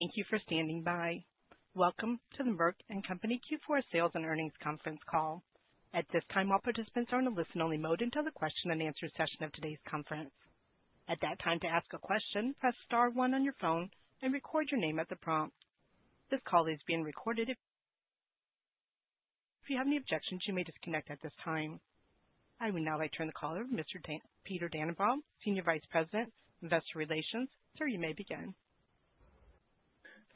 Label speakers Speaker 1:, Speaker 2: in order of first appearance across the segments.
Speaker 1: Thank you for standing by. Welcome to the Merck & Company Q4 sales and earnings conference call. At this time, all participants are in a listen-only mode until the question-and-answer session of today's conference. At that time, to ask a question, press star one on your phone and record your name at the prompt. This call is being recorded. If you have any objections, you may disconnect at this time. I will now return the call over to Mr. Peter Dannenbaum, Senior Vice President, Investor Relations. Sir, you may begin.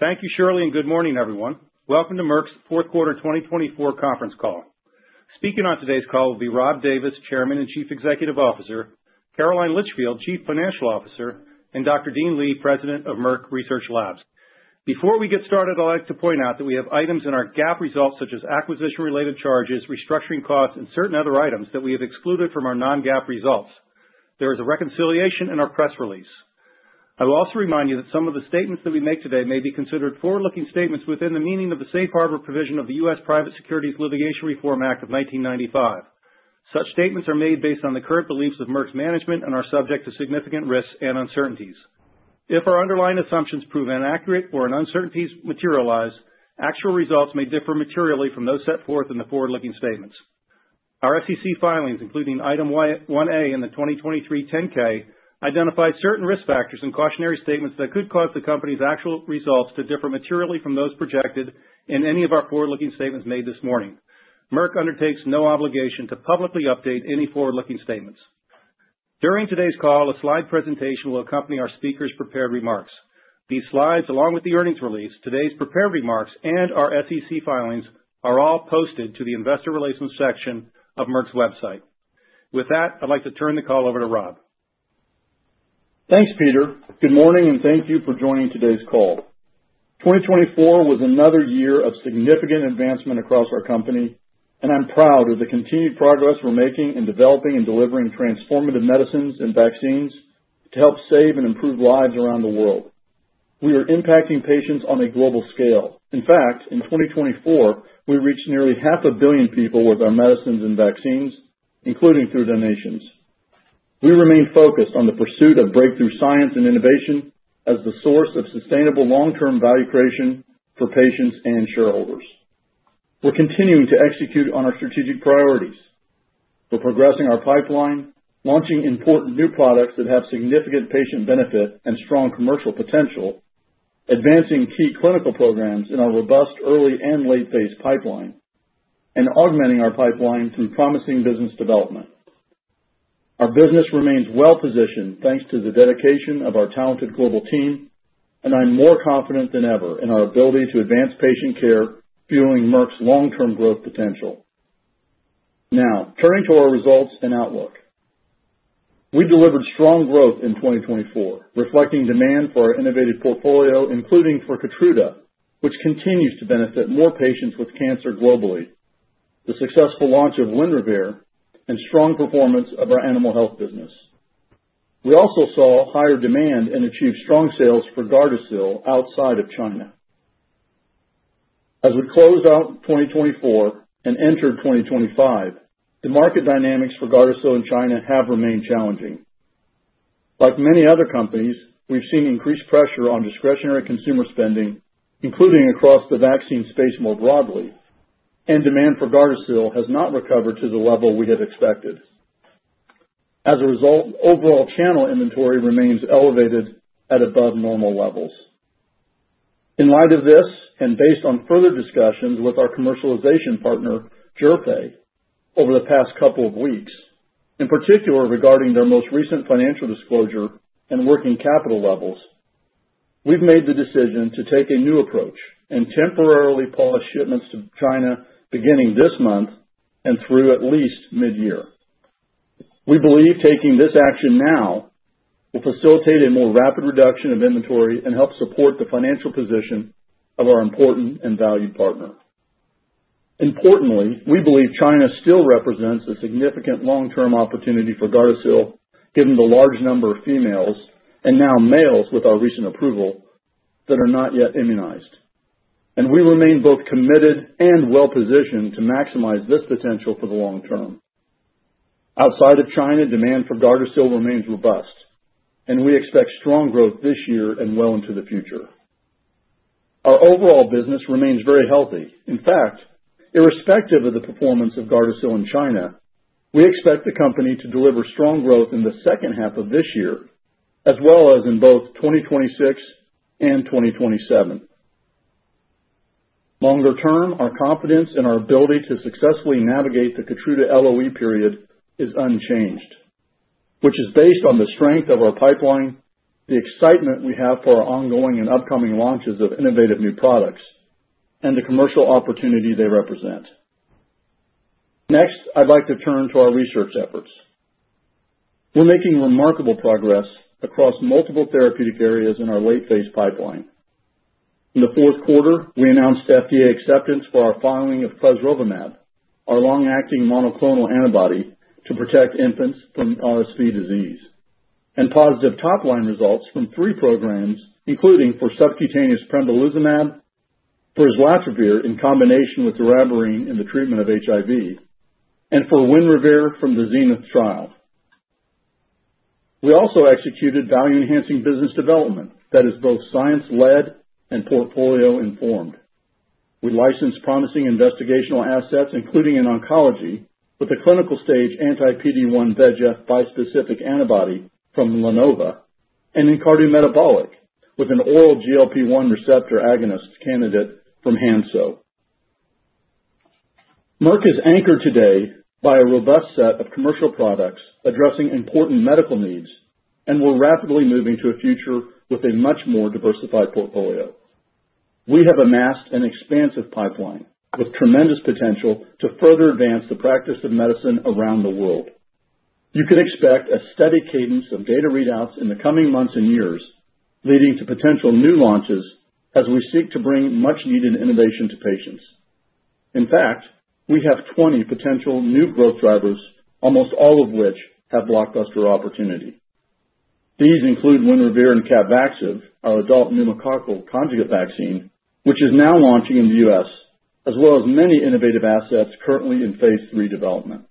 Speaker 2: Thank you, Shirley, and good morning, everyone. Welcome to Merck's fourth quarter 2024 conference call. Speaking on today's call will be Rob Davis, Chairman and Chief Executive Officer, Caroline Litchfield, Chief Financial Officer, and Dr. Dean Li, President of Merck Research Labs. Before we get started, I'd like to point out that we have items in our GAAP results such as acquisition-related charges, restructuring costs, and certain other items that we have excluded from our non-GAAP results. There is a reconciliation in our press release. I will also remind you that some of the statements that we make today may be considered forward-looking statements within the meaning of the safe harbor provision of the U.S. Private Securities Litigation Reform Act of 1995. Such statements are made based on the current beliefs of Merck's management and are subject to significant risks and uncertainties. If our underlying assumptions prove inaccurate or uncertainties materialize, actual results may differ materially from those set forth in the forward-looking statements. Our SEC filings, including item 1A in the 2023 10-K, identify certain risk factors in cautionary statements that could cause the company's actual results to differ materially from those projected in any of our forward-looking statements made this morning. Merck undertakes no obligation to publicly update any forward-looking statements. During today's call, a slide presentation will accompany our speakers' prepared remarks. These slides, along with the earnings release, today's prepared remarks, and our SEC filings are all posted to the Investor Relations section of Merck's website. With that, I'd like to turn the call over to Rob.
Speaker 3: Thanks, Peter. Good morning, and thank you for joining today's call. 2024 was another year of significant advancement across our company, and I'm proud of the continued progress we're making in developing and delivering transformative medicines and vaccines to help save and improve lives around the world. We are impacting patients on a global scale. In fact, in 2024, we reached nearly half a billion people with our medicines and vaccines, including through donations. We remain focused on the pursuit of breakthrough science and innovation as the source of sustainable long-term value creation for patients and shareholders. We're continuing to execute on our strategic priorities. We're progressing our pipeline, launching important new products that have significant patient benefit and strong commercial potential, advancing key clinical programs in our robust early and late-phase pipeline, and augmenting our pipeline through promising business development. Our business remains well-positioned thanks to the dedication of our talented global team, and I'm more confident than ever in our ability to advance patient care, fueling Merck's long-term growth potential. Now, turning to our results and outlook. We delivered strong growth in 2024, reflecting demand for our innovative portfolio, including for Keytruda, which continues to benefit more patients with cancer globally, the successful launch of Winrevair, and strong performance of our animal health business. We also saw higher demand and achieved strong sales for Gardasil outside of China. As we close out 2024 and enter 2025, the market dynamics for Gardasil in China have remained challenging. Like many other companies, we've seen increased pressure on discretionary consumer spending, including across the vaccine space more broadly, and demand for Gardasil has not recovered to the level we had expected. As a result, overall channel inventory remains elevated at above-normal levels. In light of this, and based on further discussions with our commercialization partner, Zhifei, over the past couple of weeks, in particular regarding their most recent financial disclosure and working capital levels, we've made the decision to take a new approach and temporarily pause shipments to China beginning this month and through at least mid-year. We believe taking this action now will facilitate a more rapid reduction of inventory and help support the financial position of our important and valued partner. Importantly, we believe China still represents a significant long-term opportunity for Gardasil, given the large number of females and now males with our recent approval that are not yet immunized, and we remain both committed and well-positioned to maximize this potential for the long term. Outside of China, demand for Gardasil remains robust, and we expect strong growth this year and well into the future. Our overall business remains very healthy. In fact, irrespective of the performance of Gardasil in China, we expect the company to deliver strong growth in the second half of this year, as well as in both 2026 and 2027. Longer term, our confidence in our ability to successfully navigate the Keytruda LOE period is unchanged, which is based on the strength of our pipeline, the excitement we have for our ongoing and upcoming launches of innovative new products, and the commercial opportunity they represent. Next, I'd like to turn to our research efforts. We're making remarkable progress across multiple therapeutic areas in our late-phase pipeline. In the fourth quarter, we announced FDA acceptance for our filing of clesrovimab, our long-acting monoclonal antibody to protect infants from RSV disease, and positive top-line results from three programs, including for subcutaneous pembrolizumab, for islatravir in combination with ibrutinib in the treatment of HIV, and for Winrevair from the ZENITH trial. We also executed value-enhancing business development that is both science-led and portfolio-informed. We licensed promising investigational assets, including in oncology with a clinical stage anti-PD-1/VEGF bispecific antibody from LaNova, and in cardiometabolic with an oral GLP-1 receptor agonist candidate from Hansoh. Merck is anchored today by a robust set of commercial products addressing important medical needs and we're rapidly moving to a future with a much more diversified portfolio. We have amassed an expansive pipeline with tremendous potential to further advance the practice of medicine around the world. You can expect a steady cadence of data readouts in the coming months and years, leading to potential new launches as we seek to bring much-needed innovation to patients. In fact, we have 20 potential new growth drivers, almost all of which have blockbuster opportunity. These include Winrevair and Capvaxive, our adult pneumococcal conjugate vaccine, which is now launching in the U.S., as well as many innovative assets currently in phase 3 development.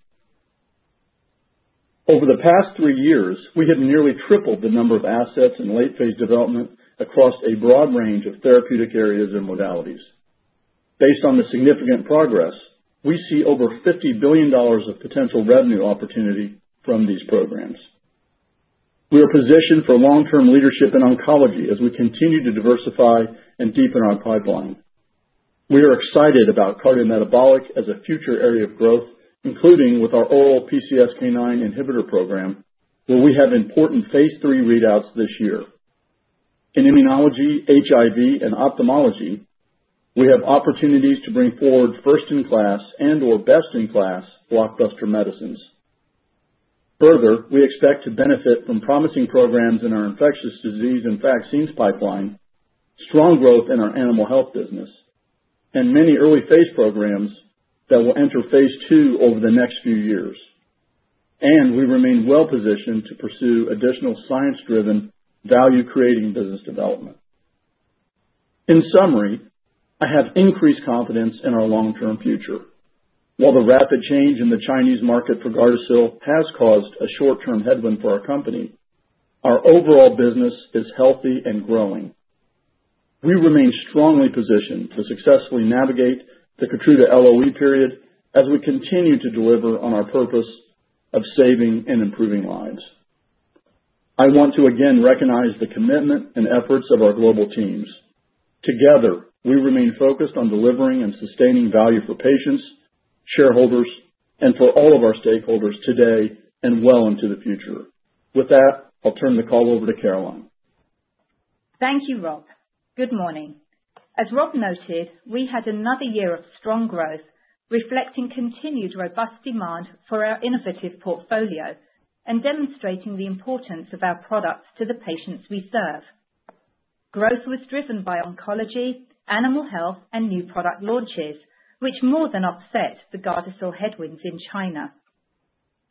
Speaker 3: Over the past three years, we have nearly tripled the number of assets in late-phase development across a broad range of therapeutic areas and modalities. Based on the significant progress, we see over $50 billion of potential revenue opportunity from these programs. We are positioned for long-term leadership in oncology as we continue to diversify and deepen our pipeline. We are excited about cardiometabolic as a future area of growth, including with our oral PCSK9 inhibitor program, where we have important phase three readouts this year. In immunology, HIV, and ophthalmology, we have opportunities to bring forward first-in-class and/or best-in-class blockbuster medicines. Further, we expect to benefit from promising programs in our infectious disease and vaccines pipeline, strong growth in our animal health business, and many early-phase programs that will enter phase two over the next few years, and we remain well-positioned to pursue additional science-driven, value-creating business development. In summary, I have increased confidence in our long-term future. While the rapid change in the Chinese market for Gardasil has caused a short-term headwind for our company, our overall business is healthy and growing. We remain strongly positioned to successfully navigate the Keytruda LOE period as we continue to deliver on our purpose of saving and improving lives. I want to again recognize the commitment and efforts of our global teams. Together, we remain focused on delivering and sustaining value for patients, shareholders, and for all of our stakeholders today and well into the future. With that, I'll turn the call over to Caroline.
Speaker 4: Thank you, Rob. Good morning. As Rob noted, we had another year of strong growth, reflecting continued robust demand for our innovative portfolio and demonstrating the importance of our products to the patients we serve. Growth was driven by oncology, animal health, and new product launches, which more than offset the Gardasil headwinds in China.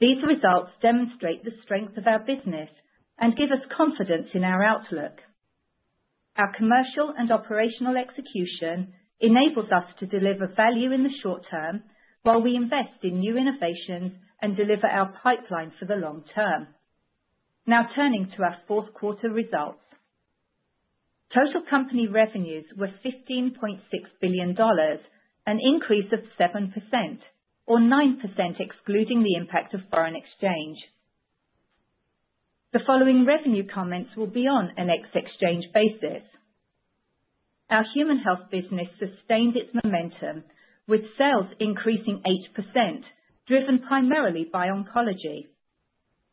Speaker 4: These results demonstrate the strength of our business and give us confidence in our outlook. Our commercial and operational execution enables us to deliver value in the short term while we invest in new innovations and deliver our pipeline for the long term. Now turning to our fourth quarter results. Total company revenues were $15.6 billion, an increase of 7%, or 9% excluding the impact of foreign exchange. The following revenue comments will be on an exchange basis. Our human health business sustained its momentum, with sales increasing 8%, driven primarily by oncology.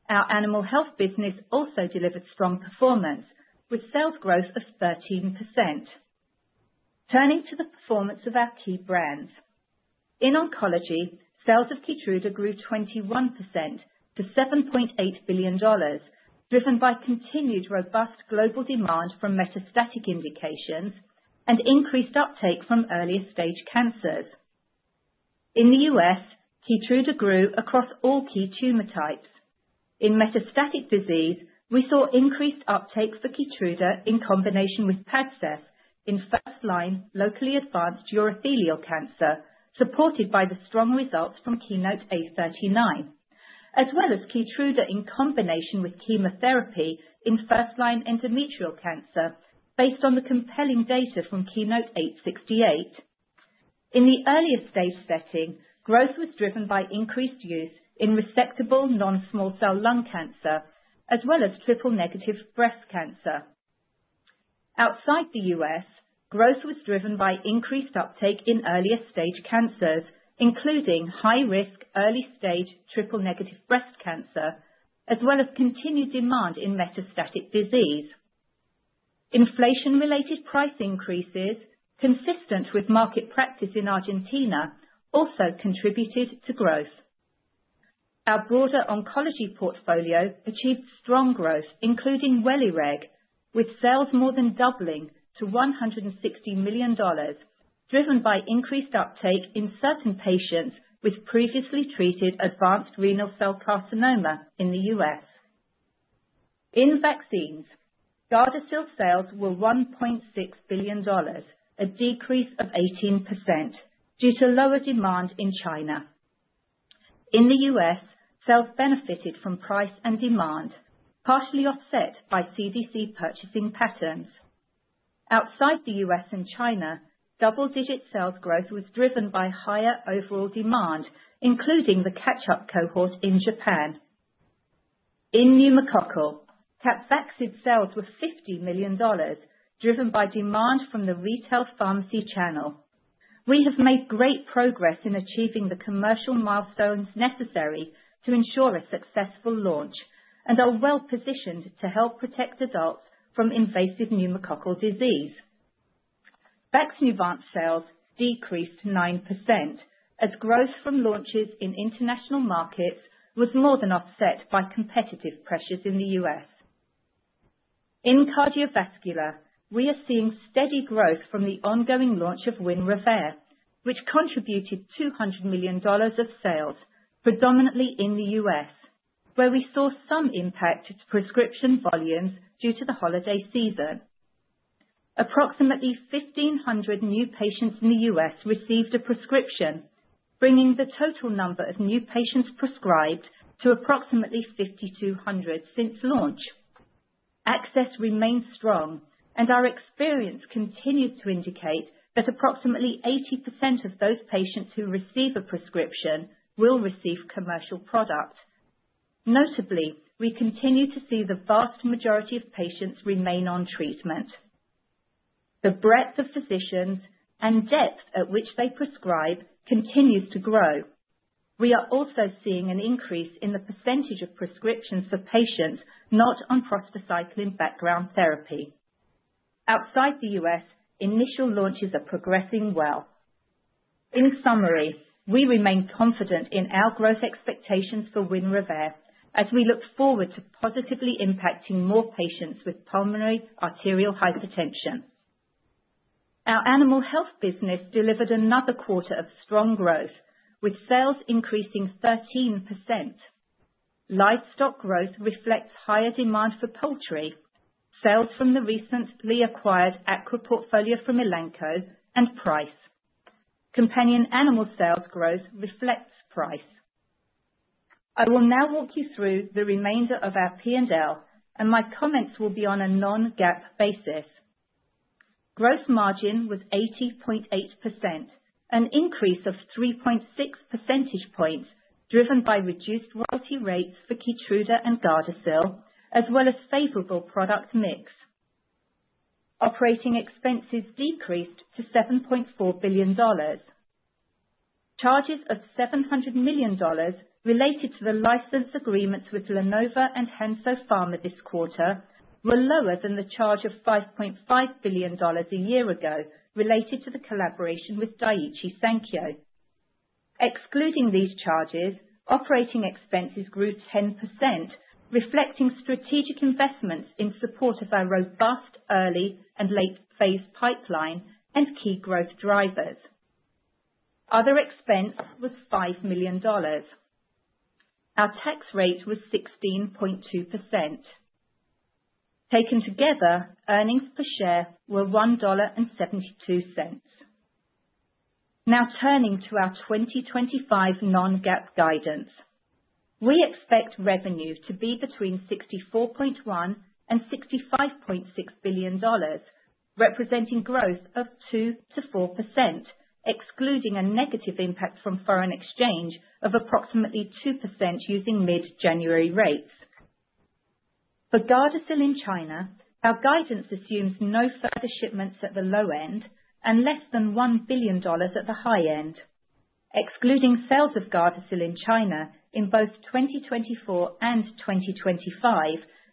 Speaker 4: Our animal health business also delivered strong performance, with sales growth of 13%. Turning to the performance of our key brands. In oncology, sales of Keytruda grew 21% to $7.8 billion, driven by continued robust global demand for metastatic indications and increased uptake from earlier stage cancers. In the U.S., Keytruda grew across all key tumor types. In metastatic disease, we saw increased uptake for Keytruda in combination with Padcev in first-line locally advanced urothelial cancer, supported by the strong results from KEYNOTE-A39, as well as Keytruda in combination with chemotherapy in first-line endometrial cancer, based on the compelling data from KEYNOTE-868. In the earlier stage setting, growth was driven by increased use in resectable non-small cell lung cancer, as well as triple-negative breast cancer. Outside the U.S., growth was driven by increased uptake in earlier stage cancers, including high-risk early-stage triple-negative breast cancer, as well as continued demand in metastatic disease. Inflation-related price increases, consistent with market practice in Argentina, also contributed to growth. Our broader oncology portfolio achieved strong growth, including Welireg, with sales more than doubling to $160 million, driven by increased uptake in certain patients with previously treated advanced renal cell carcinoma in the U.S. In vaccines, Gardasil sales were $1.6 billion, a decrease of 18%, due to lower demand in China. In the U.S., sales benefited from price and demand, partially offset by CDC purchasing patterns. Outside the U.S. and China, double-digit sales growth was driven by higher overall demand, including the catch-up cohort in Japan. In pneumococcal, Capvaxive sales were $50 million, driven by demand from the retail pharmacy channel. We have made great progress in achieving the commercial milestones necessary to ensure a successful launch and are well-positioned to help protect adults from invasive pneumococcal disease. Vaxneuvance sales decreased 9%, as growth from launches in international markets was more than offset by competitive pressures in the U.S. In cardiovascular, we are seeing steady growth from the ongoing launch of Winrevair, which contributed $200 million of sales, predominantly in the U.S., where we saw some impact to prescription volumes due to the holiday season. Approximately 1,500 new patients in the U.S. received a prescription, bringing the total number of new patients prescribed to approximately 5,200 since launch. Access remains strong, and our experience continues to indicate that approximately 80% of those patients who receive a prescription will receive commercial product. Notably, we continue to see the vast majority of patients remain on treatment. The breadth of physicians and depth at which they prescribe continues to grow. We are also seeing an increase in the percentage of prescriptions for patients not on prostacyclin background therapy. Outside the U.S., initial launches are progressing well. In summary, we remain confident in our growth expectations for Winrevair as we look forward to positively impacting more patients with pulmonary arterial hypertension. Our animal health business delivered another quarter of strong growth, with sales increasing 13%. Livestock growth reflects higher demand for poultry, sales from the recently acquired Aqua portfolio from Elanco, and price. Companion animal sales growth reflects price. I will now walk you through the remainder of our P&L, and my comments will be on a non-GAAP basis. Gross margin was 80.8%, an increase of 3.6 percentage points driven by reduced royalty rates for Keytruda and Gardasil, as well as favorable product mix. Operating expenses decreased to $7.4 billion. Charges of $700 million related to the license agreements with LaNova and Hansoh Pharma this quarter were lower than the charge of $5.5 billion a year ago related to the collaboration with Daiichi Sankyo. Excluding these charges, operating expenses grew 10%, reflecting strategic investments in support of our robust early and late-phase pipeline and key growth drivers. Other expense was $5 million. Our tax rate was 16.2%. Taken together, earnings per share were $1.72. Now turning to our 2025 non-GAAP guidance. We expect revenue to be between $64.1 and $65.6 billion, representing growth of 2% to 4%, excluding a negative impact from foreign exchange of approximately 2% using mid-January rates. For Gardasil in China, our guidance assumes no further shipments at the low end and less than $1 billion at the high end. Excluding sales of Gardasil in China in both 2024 and 2025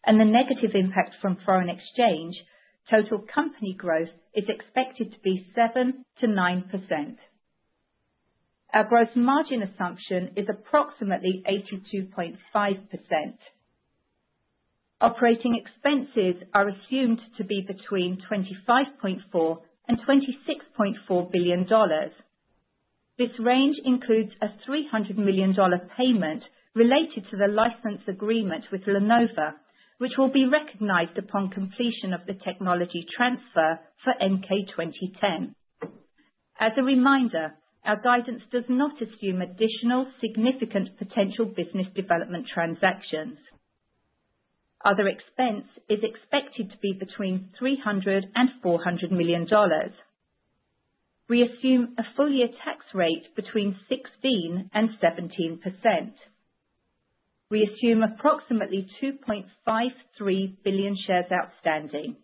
Speaker 4: and the negative impact from foreign exchange, total company growth is expected to be 7%-9%. Our gross margin assumption is approximately 82.5%. Operating expenses are assumed to be between $25.4-$26.4 billion. This range includes a $300 million payment related to the license agreement with LaNova, which will be recognized upon completion of the technology transfer for MK-2010. As a reminder, our guidance does not assume additional significant potential business development transactions. Other expense is expected to be between $300-$400 million. We assume a full-year tax rate between 16%-17%. We assume approximately 2.53 billion shares outstanding.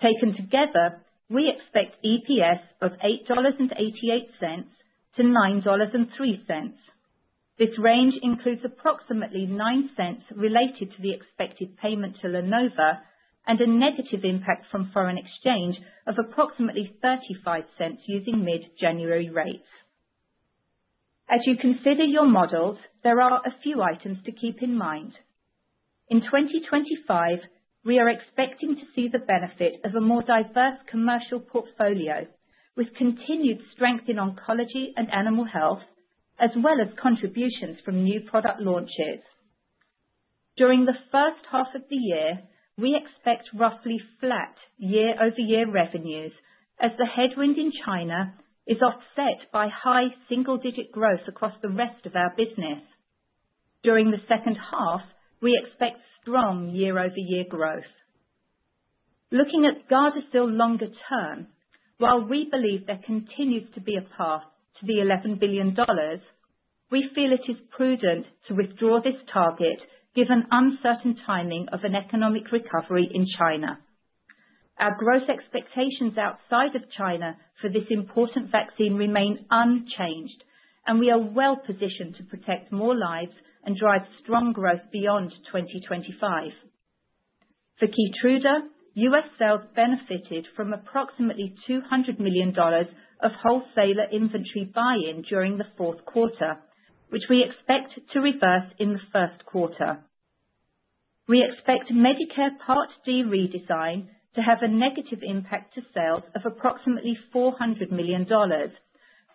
Speaker 4: Taken together, we expect EPS of $8.88-$9.03. This range includes approximately $0.09 related to the expected payment to LaNova and a negative impact from foreign exchange of approximately $0.35 using mid-January rates. As you consider your models, there are a few items to keep in mind. In 2025, we are expecting to see the benefit of a more diverse commercial portfolio, with continued strength in oncology and animal health, as well as contributions from new product launches. During the first half of the year, we expect roughly flat year-over-year revenues, as the headwind in China is offset by high single-digit growth across the rest of our business. During the second half, we expect strong year-over-year growth. Looking at Gardasil longer term, while we believe there continues to be a path to the $11 billion, we feel it is prudent to withdraw this target given the uncertain timing of an economic recovery in China. Our growth expectations outside of China for this important vaccine remain unchanged, and we are well-positioned to protect more lives and drive strong growth beyond 2025. For Keytruda, U.S. Sales benefited from approximately $200 million of wholesaler inventory buy-in during the fourth quarter, which we expect to reverse in the first quarter. We expect Medicare Part D redesign to have a negative impact to sales of approximately $400 million,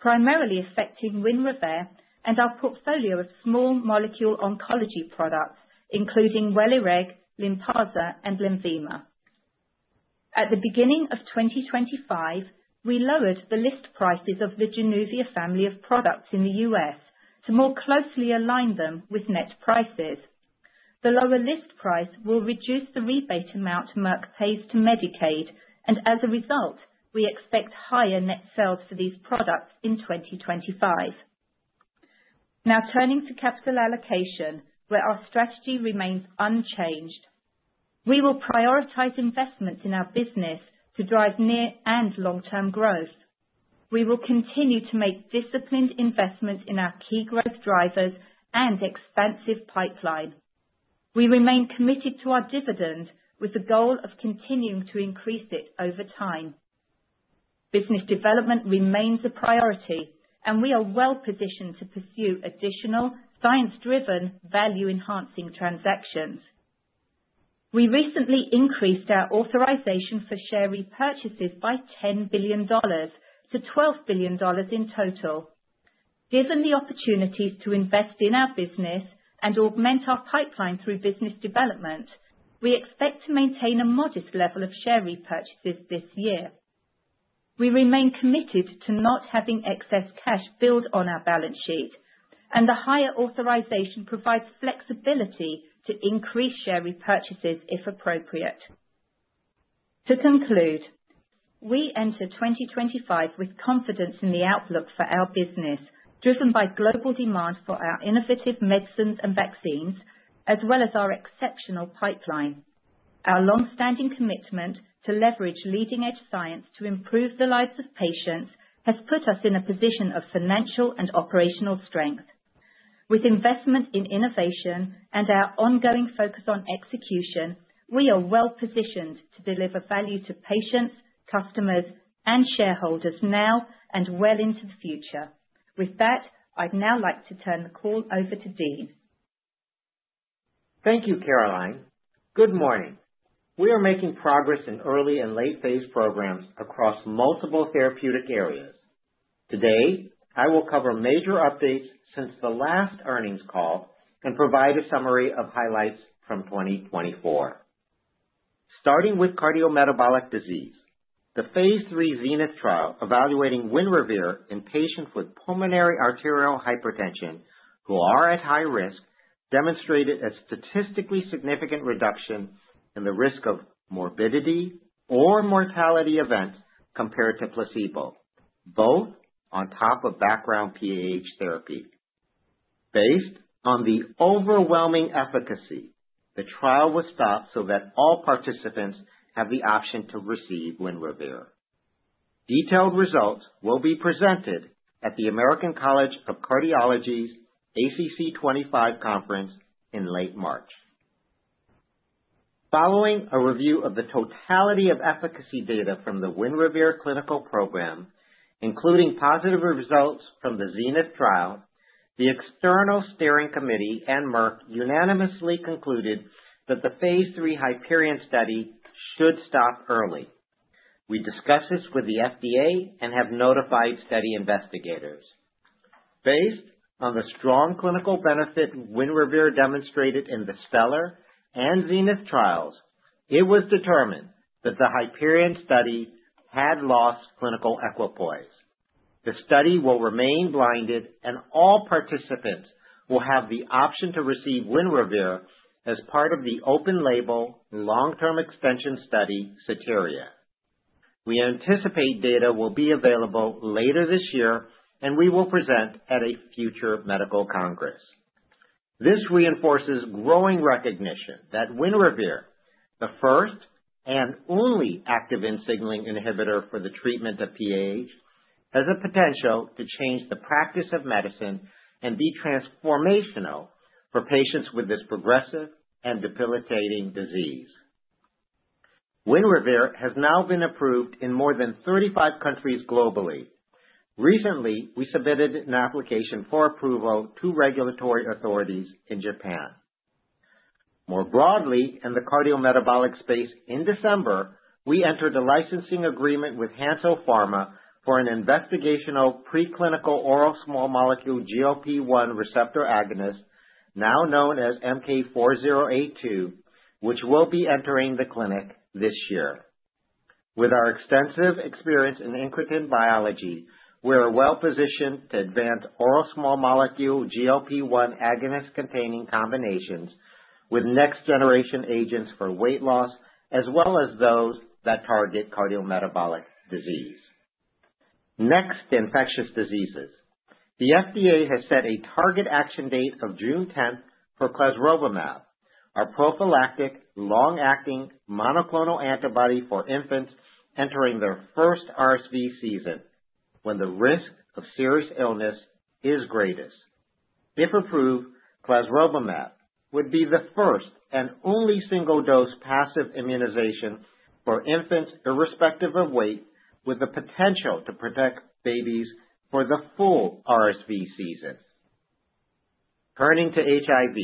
Speaker 4: primarily affecting Winrevair and our portfolio of small molecule oncology products, including Welireg, Lynparza, and Lenvima. At the beginning of 2025, we lowered the list prices of the Januvia family of products in the U.S. to more closely align them with net prices. The lower list price will reduce the rebate amount Merck pays to Medicaid, and as a result, we expect higher net sales for these products in 2025. Now turning to capital allocation, where our strategy remains unchanged. We will prioritize investments in our business to drive near and long-term growth. We will continue to make disciplined investments in our key growth drivers and expansive pipeline. We remain committed to our dividend, with the goal of continuing to increase it over time. Business development remains a priority, and we are well-positioned to pursue additional science-driven, value-enhancing transactions. We recently increased our authorization for share repurchases by $10 billion-$12 billion in total. Given the opportunities to invest in our business and augment our pipeline through business development, we expect to maintain a modest level of share repurchases this year. We remain committed to not having excess cash build on our balance sheet, and the higher authorization provides flexibility to increase share repurchases if appropriate. To conclude, we enter 2025 with confidence in the outlook for our business, driven by global demand for our innovative medicines and vaccines, as well as our exceptional pipeline. Our long-standing commitment to leverage leading-edge science to improve the lives of patients has put us in a position of financial and operational strength. With investment in innovation and our ongoing focus on execution, we are well-positioned to deliver value to patients, customers, and shareholders now and well into the future. With that, I'd now like to turn the call over to Dean.
Speaker 5: Thank you, Caroline. Good morning. We are making progress in early and late-phase programs across multiple therapeutic areas. Today, I will cover major updates since the last earnings call and provide a summary of highlights from 2024. Starting with cardiometabolic disease, the phase III ZENITH trial evaluating Winrevair in patients with pulmonary arterial hypertension who are at high risk demonstrated a statistically significant reduction in the risk of morbidity or mortality events compared to placebo, both on top of background PAH therapy. Based on the overwhelming efficacy, the trial was stopped so that all participants have the option to receive Winrevair. Detailed results will be presented at the American College of Cardiology's ACC25 conference in late March. Following a review of the totality of efficacy data from the Winrevair clinical program, including positive results from the Zenith trial, the external steering committee and Merck unanimously concluded that the Phase III HYPERION study should stop early. We discussed this with the FDA and have notified study investigators. Based on the strong clinical benefit Winrevair demonstrated in the STELLAR and Zenith trials, it was determined that the Hyperion study had lost clinical equipoise. The study will remain blinded, and all participants will have the option to receive Winrevair as part of the open-label long-term extension study SoterIA. We anticipate data will be available later this year, and we will present at a future medical congress. This reinforces growing recognition that Winrevair, the first and only activin signaling inhibitor for the treatment of PAH, has the potential to change the practice of medicine and be transformational for patients with this progressive and debilitating disease. Winrevair has now been approved in more than 35 countries globally. Recently, we submitted an application for approval to regulatory authorities in Japan. More broadly, in the cardiometabolic space, in December, we entered a licensing agreement with Hansoh Pharma for an investigational preclinical oral small molecule GLP-1 receptor agonist, now known as MK-4082, which will be entering the clinic this year. With our extensive experience in incretin biology, we are well-positioned to advance oral small molecule GLP-1 agonist-containing combinations with next-generation agents for weight loss, as well as those that target cardiometabolic disease. Next, infectious diseases. The FDA has set a target action date of June 10 for clesrovimab, our prophylactic, long-acting monoclonal antibody for infants entering their first RSV season when the risk of serious illness is greatest. If approved, clesrovimab would be the first and only single-dose passive immunization for infants irrespective of weight, with the potential to protect babies for the full RSV season. Turning to HIV,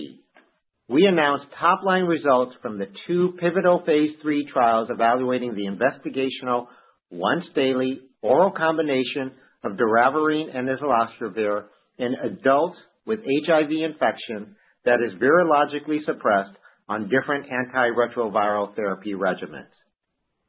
Speaker 5: we announced top-line results from the two pivotal phase III trials evaluating the investigational once-daily oral combination of doravirine and islatravir in adults with HIV infection that is virologically suppressed on different antiretroviral therapy regimens.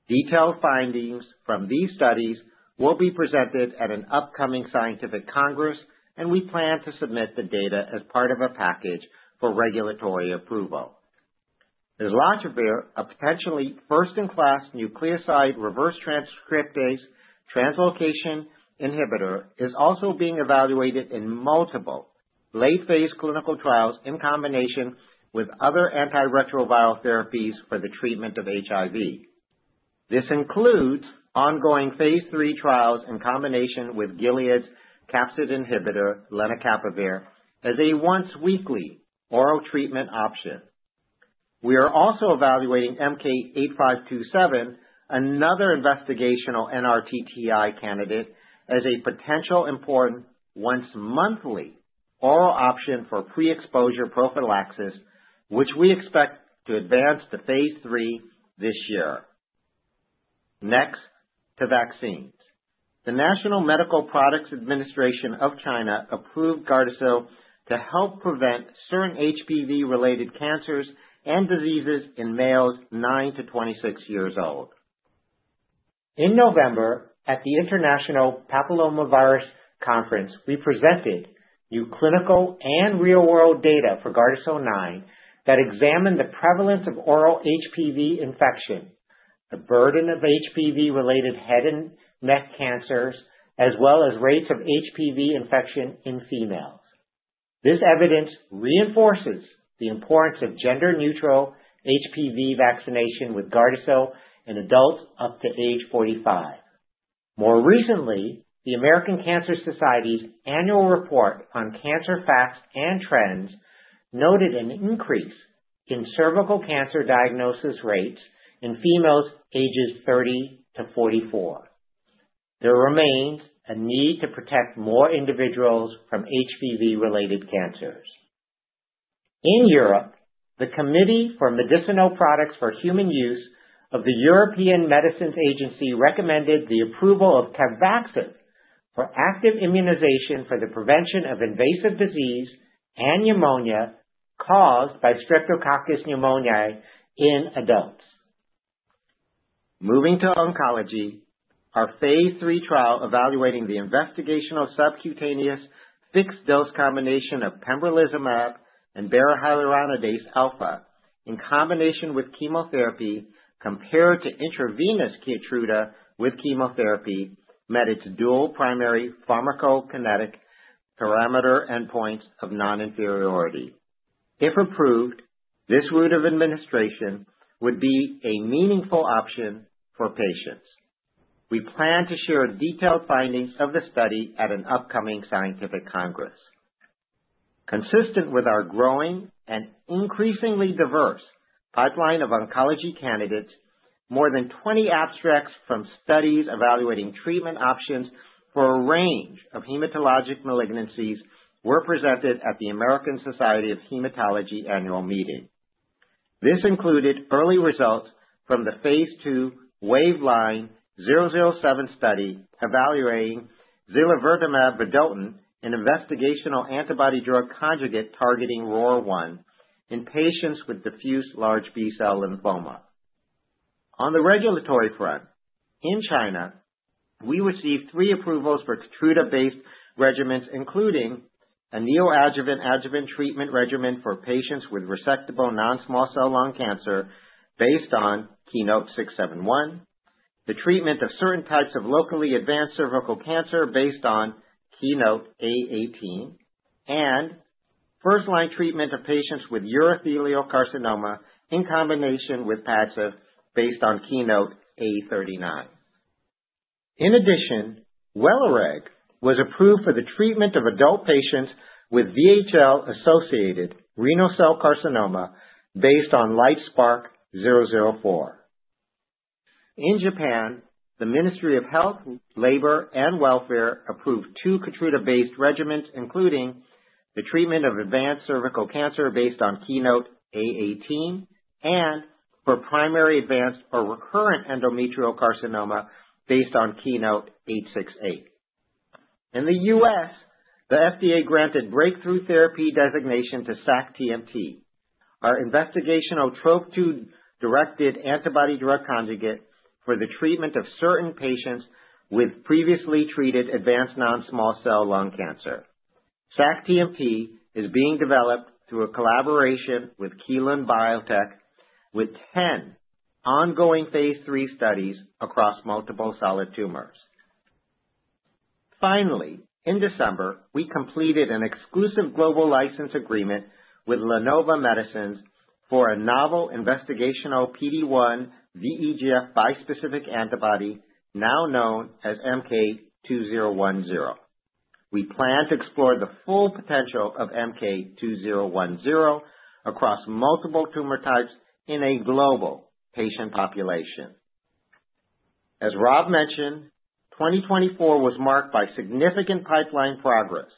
Speaker 5: Detailed findings from these studies will be presented at an upcoming scientific congress, and we plan to submit the data as part of a package for regulatory approval. Islatravir, a potentially first-in-class nucleoside reverse transcriptase translocation inhibitor, is also being evaluated in multiple late-phase clinical trials in combination with other antiretroviral therapies for the treatment of HIV. This includes ongoing phase III trials in combination with Gilead's capsid inhibitor, lenacapavir, as a once-weekly oral treatment option. We are also evaluating MK-8527, another investigational NRTTI candidate, as a potential important once-monthly oral option for pre-exposure prophylaxis, which we expect to advance to phase III this year. Next, to vaccines. The National Medical Products Administration of China approved Gardasil to help prevent certain HPV-related cancers and diseases in males nine to 26 years old. In November, at the International Papillomavirus Conference, we presented new clinical and real-world data for Gardasil 9 that examined the prevalence of oral HPV infection, the burden of HPV-related head and neck cancers, as well as rates of HPV infection in females. This evidence reinforces the importance of gender-neutral HPV vaccination with Gardasil in adults up to age 45. More recently, the American Cancer Society's annual report on cancer facts and trends noted an increase in cervical cancer diagnosis rates in females ages 30 to 44. There remains a need to protect more individuals from HPV-related cancers. In Europe, the Committee for Medicinal Products for Human Use of the European Medicines Agency recommended the approval of Capvaxive for active immunization for the prevention of invasive disease and pneumonia caused by Streptococcus pneumoniae in adults. Moving to oncology, our phase III trial evaluating the investigational subcutaneous fixed-dose combination of pembrolizumab and hyaluronidase alfa in combination with chemotherapy compared to intravenous Keytruda with chemotherapy met its dual primary pharmacokinetic parameter endpoints of non-inferiority. If approved, this route of administration would be a meaningful option for patients. We plan to share detailed findings of the study at an upcoming scientific congress. Consistent with our growing and increasingly diverse pipeline of oncology candidates, more than 20 abstracts from studies evaluating treatment options for a range of hematologic malignancies were presented at the American Society of Hematology annual meeting. This included early results from the phase II WAVELINE-007 study evaluating zilovertamab vedotin, an investigational antibody-drug conjugate targeting ROR1, in patients with diffuse large B-cell lymphoma. On the regulatory front, in China, we received three approvals for Keytruda-based regimens, including a neoadjuvant adjuvant treatment regimen for patients with resectable non-small cell lung cancer based on KEYNOTE-671, the treatment of certain types of locally advanced cervical cancer based on KEYNOTE-A18, and first-line treatment of patients with urothelial carcinoma in combination with Padcev based on KEYNOTE-A39. In addition, Welireg was approved for the treatment of adult patients with VHL-associated renal cell carcinoma based on LITESPARK-004. In Japan, the Ministry of Health, Labour and Welfare approved two Keytruda-based regimens, including the treatment of advanced cervical cancer based on KEYNOTE-A18 and for primary advanced or recurrent endometrial carcinoma based on KEYNOTE-868. In the U.S., the FDA granted breakthrough therapy designation to Sac-TMT, our investigational TROP2-directed antibody drug conjugate for the treatment of certain patients with previously treated advanced non-small cell lung cancer. Sac-TMT is being developed through a collaboration with Kelun-Biotech, with 10 ongoing phase III studies across multiple solid tumors. Finally, in December, we completed an exclusive global license agreement with LaNova Medicines for a novel investigational PD-1/VEGF bispecific antibody, now known as MK-2010. We plan to explore the full potential of MK-2010 across multiple tumor types in a global patient population. As Rob mentioned, 2024 was marked by significant pipeline progress.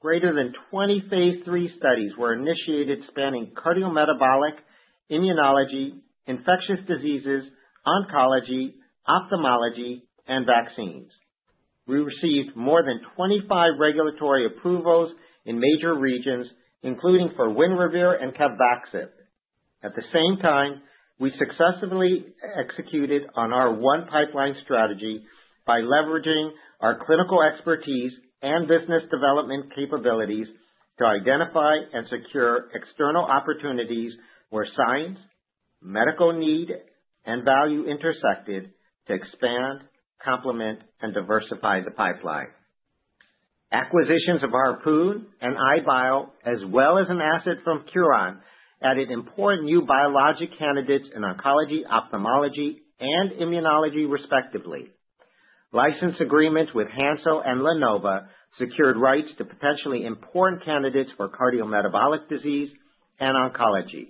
Speaker 5: Greater than 20 phase III studies were initiated spanning cardiometabolic, immunology, infectious diseases, oncology, ophthalmology, and vaccines. We received more than 25 regulatory approvals in major regions, including for Winrevair and Capvaxive. At the same time, we successfully executed on our one-pipeline strategy by leveraging our clinical expertise and business development capabilities to identify and secure external opportunities where science, medical need, and value intersected to expand, complement, and diversify the pipeline. Acquisitions of Harpoon Therapeutics and EyeBio, as well as an asset from Curon Biopharmaceutical, added important new biologic candidates in oncology, ophthalmology, and immunology, respectively. License agreements with Hansoh Pharma and LaNova Medicines secured rights to potentially important candidates for cardiometabolic disease and oncology.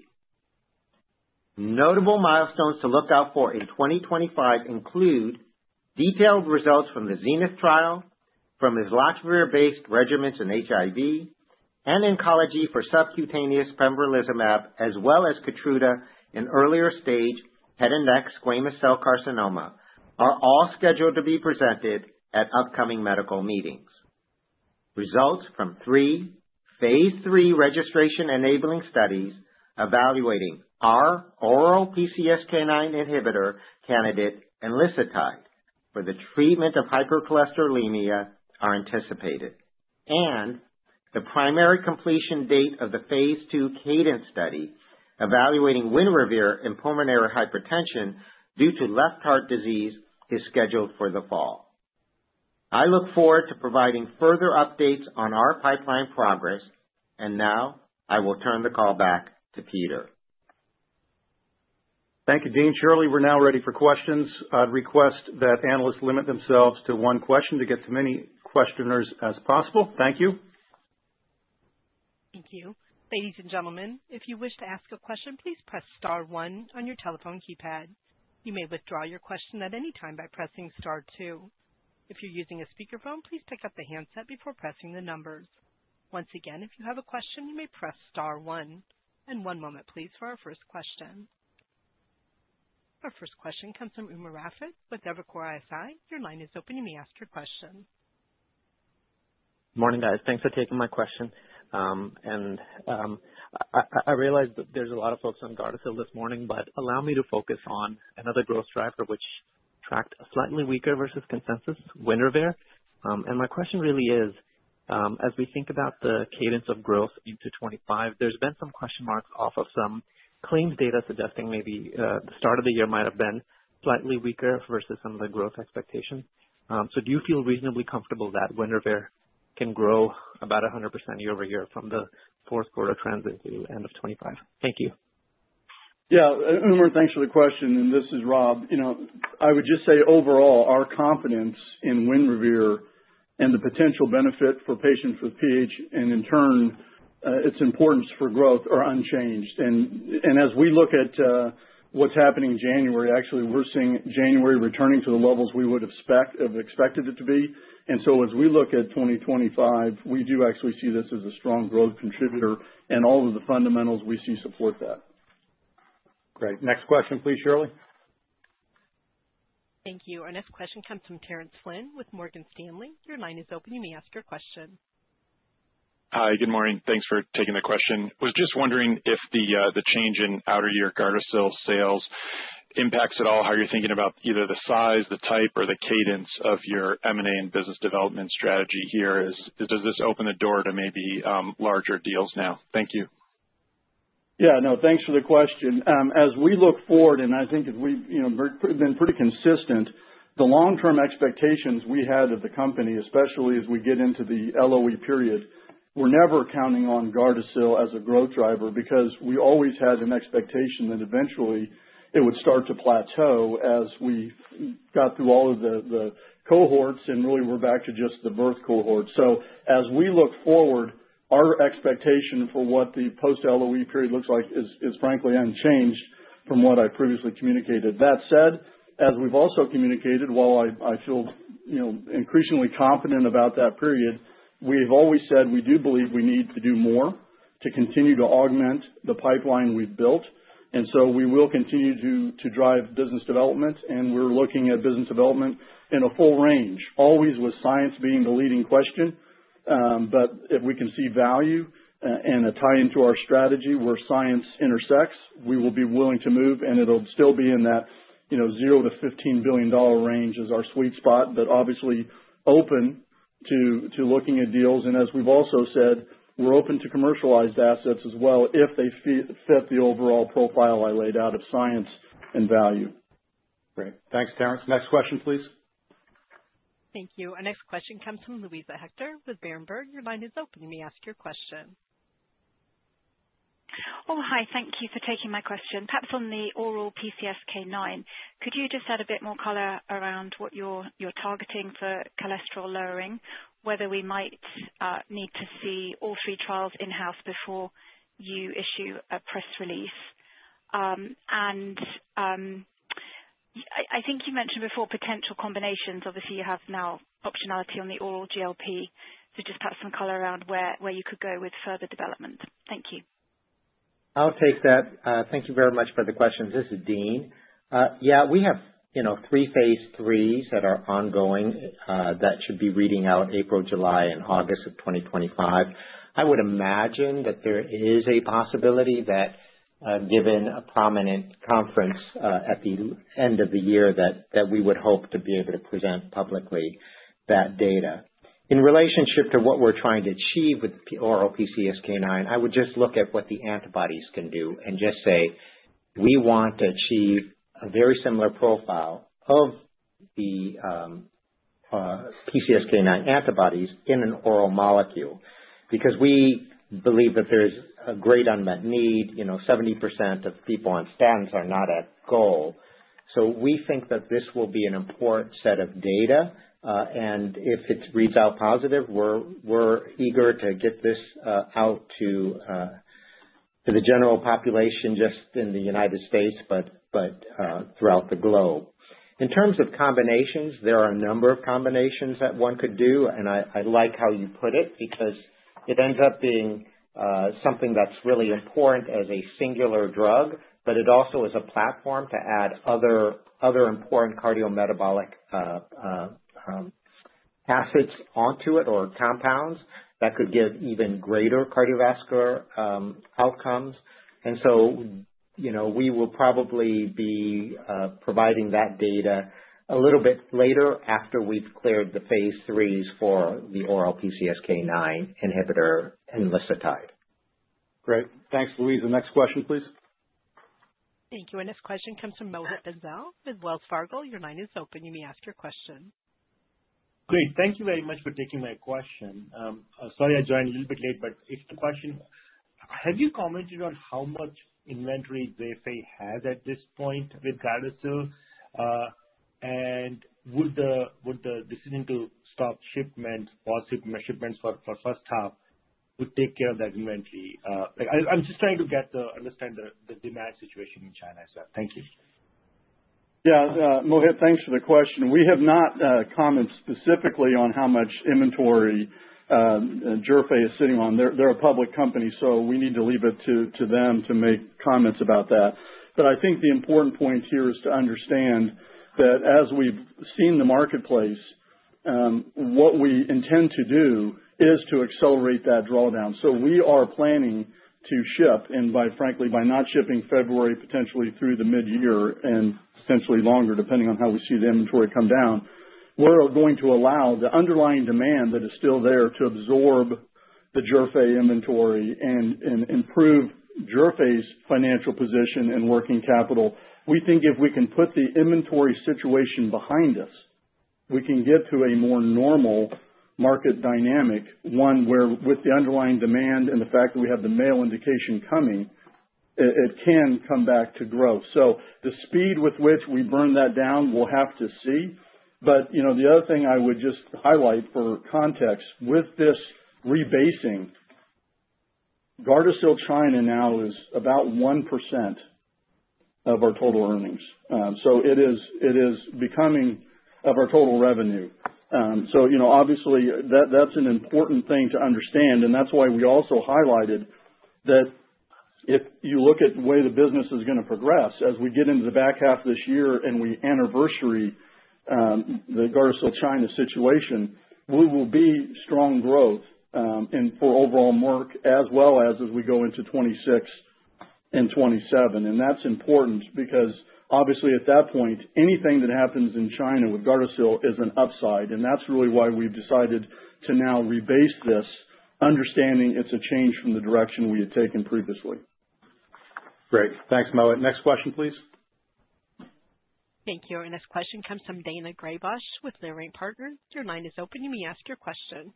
Speaker 5: Notable milestones to look out for in 2025 include detailed results from the ZENITH trial, from islatravir-based regimens in HIV, and oncology for subcutaneous pembrolizumab, as well as Keytruda in earlier stage head and neck squamous cell carcinoma, are all scheduled to be presented at upcoming medical meetings. Results from three phase III registration-enabling studies evaluating our oral PCSK9 inhibitor candidate, MK-0616, for the treatment of hypercholesterolemia are anticipated. And the primary completion date of the phase II CADENCE study evaluating Winrevair in pulmonary hypertension due to left heart disease is scheduled for the fall. I look forward to providing further updates on our pipeline progress. And now, I will turn the call back to Peter.
Speaker 2: Thank you, Dean. Shirley, we're now ready for questions. I'd request that analysts limit themselves to one question to get to as many questioners as possible. Thank you. Thank you.
Speaker 1: Ladies and gentlemen, if you wish to ask a question, please press star 1 on your telephone keypad. You may withdraw your question at any time by pressing star 2. If you're using a speakerphone, please pick up the handset before pressing the numbers. Once again, if you have a question, you may press star 1. And one moment, please, for our first question. Our first question comes from Umer Raffat with Evercore ISI. Your line is open. You may ask your question.
Speaker 6: Morning, guys. Thanks for taking my question. I realize that there's a lot of folks on Gardasil this morning, but allow me to focus on another growth driver, which tracked slightly weaker versus consensus: Winrevair. And my question really is, as we think about the cadence of growth into 2025, there's been some question marks off of some claims data suggesting maybe the start of the year might have been slightly weaker versus some of the growth expectations. So do you feel reasonably comfortable that Winrevair can grow about 100% year over year from the fourth quarter this year to the end of 2025? Thank you.
Speaker 3: Yeah, Umer, thanks for the question. And this is Rob. You know, I would just say, overall, our confidence in Winrevair and the potential benefit for patients with PAH, and in turn, its importance for growth, are unchanged. And as we look at what's happening in January, actually, we're seeing January returning to the levels we would have expected it to be. As we look at 2025, we do actually see this as a strong growth contributor, and all of the fundamentals we see support that. Great.
Speaker 2: Next question, please, Shirley.
Speaker 1: Thank you. Our next question comes from Terrence Flynn with Morgan Stanley. Your line is open. You may ask your question.
Speaker 7: Hi, good morning. Thanks for taking the question. I was just wondering if the change in outer year Gardasil sales impacts at all how you're thinking about either the size, the type, or the cadence of your M&A and business development strategy here. Does this open the door to maybe larger deals now? Thank you.
Speaker 3: Yeah, no, thanks for the question. As we look forward, and I think that we've, you know, been pretty consistent, the long-term expectations we had of the company, especially as we get into the LOE period, we're never counting on Gardasil as a growth driver because we always had an expectation that eventually it would start to plateau as we got through all of the cohorts and really were back to just the birth cohort. So, as we look forward, our expectation for what the post-LOE period looks like is, is frankly unchanged from what I previously communicated. That said, as we've also communicated, while I feel, you know, increasingly confident about that period, we've always said we do believe we need to do more to continue to augment the pipeline we've built. And so, we will continue to drive business development, and we're looking at business development in a full range, always with science being the leading question. But if we can see value, and a tie into our strategy where science intersects, we will be willing to move, and it'll still be in that, you know, $0-$15 billion range is our sweet spot, but obviously open to looking at deals. And as we've also said, we're open to commercialized assets as well if they fit the overall profile I laid out of science and value. Great.
Speaker 2: Thanks, Terrence. Next question, please.
Speaker 1: Thank you. Our next question comes from Louisa Hector with Berenberg. Your line is open. You may ask your question.
Speaker 8: Oh, hi. Thank you for taking my question. Perhaps on the oral PCSK9, could you just add a bit more color around what you're targeting for cholesterol lowering, whether we might need to see all three trials in-house before you issue a press release? And I think you mentioned before potential combinations. Obviously, you have now optionality on the oral GLP, so just perhaps some color around where you could go with further development. Thank you.
Speaker 5: I'll take that. Thank you very much for the questions. This is Dean. Yeah, we have, you know, three phase IIIs that are ongoing, that should be reading out April, July, and August of 2025. I would imagine that there is a possibility that, given a prominent conference, at the end of the year, that we would hope to be able to present publicly that data. In relation to what we're trying to achieve with the oral PCSK9, I would just look at what the antibodies can do and just say we want to achieve a very similar profile of the PCSK9 antibodies in an oral molecule because we believe that there's a great unmet need. You know, 70% of people on statins are not at goal, so we think that this will be an important set of data, and if it reads out positive, we're eager to get this out to the general population just in the United States, but throughout the globe. In terms of combinations, there are a number of combinations that one could do, and I like how you put it because it ends up being something that's really important as a singular drug, but it also is a platform to add other important cardiometabolic assets onto it or compounds that could give even greater cardiovascular outcomes. And so, you know, we will probably be providing that data a little bit later after we've cleared the phase IIIs for the oral PCSK9 inhibitor, MK-0616.
Speaker 2: Great. Thanks, Louisa. Next question, please.
Speaker 1: Thank you. Our next question comes from Mohit Bansal with Wells Fargo. Your line is open. You may ask your question.
Speaker 9: Great. Thank you very much for taking my question. Sorry I joined a little bit late, but if the question, have you commented on how much inventory Zhifei has at this point with Gardasil? Would the decision to stop shipments, positive shipments for first half, take care of that inventory? I'm just trying to get to understand the demand situation in China as well. Thank you.
Speaker 3: Yeah, Mohit, thanks for the question. We have not commented specifically on how much inventory Zhifei is sitting on. They're a public company, so we need to leave it to them to make comments about that. But I think the important point here is to understand that as we've seen the marketplace, what we intend to do is to accelerate that drawdown. So, we are planning to ship, and by frankly, by not shipping February, potentially through the mid-year and potentially longer, depending on how we see the inventory come down, we're going to allow the underlying demand that is still there to absorb the JFA inventory and improve JFA's financial position and working capital. We think if we can put the inventory situation behind us, we can get to a more normal market dynamic, one where with the underlying demand and the fact that we have the male indication coming, it can come back to growth. So, the speed with which we burn that down, we'll have to see. But, you know, the other thing I would just highlight for context with this rebasing, Gardasil China now is about 1% of our total earnings. So it is becoming 1% of our total revenue. So, you know, obviously, that that's an important thing to understand, and that's why we also highlighted that if you look at the way the business is going to progress as we get into the back half of this year and we anniversary the Gardasil China situation, we will be strong growth, and for overall Merck as well as we go into 2026 and 2027. And that's important because, obviously, at that point, anything that happens in China with Gardasil is an upside. And that's really why we've decided to now rebase this, understanding it's a change from the direction we had taken previously.
Speaker 2: Great. Thanks, Mohit. Next question, please.
Speaker 1: Thank you. Our next question comes from Daina Graybosch with Leerink Partners. Your line is open. You may ask your question.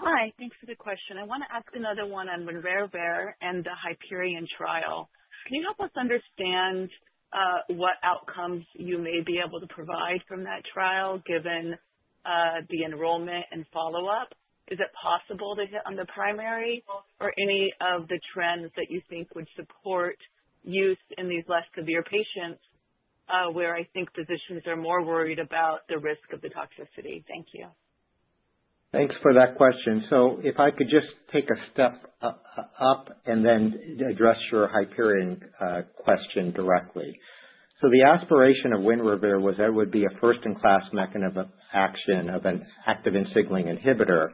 Speaker 10: Hi, thanks for the question. I want to ask another one on Winrevair and the HYPERION trial. Can you help us understand what outcomes you may be able to provide from that trial given the enrollment and follow-up? Is it possible to hit on the primary or any of the trends that you think would support use in these less severe patients, where I think physicians are more worried about the risk of the toxicity? Thank you.
Speaker 5: Thanks for that question. So, if I could just take a step up and then address your HYPERION question directly. So, the aspiration of Winrevair was that it would be a first-in-class mechanism of action of an activin signaling inhibitor.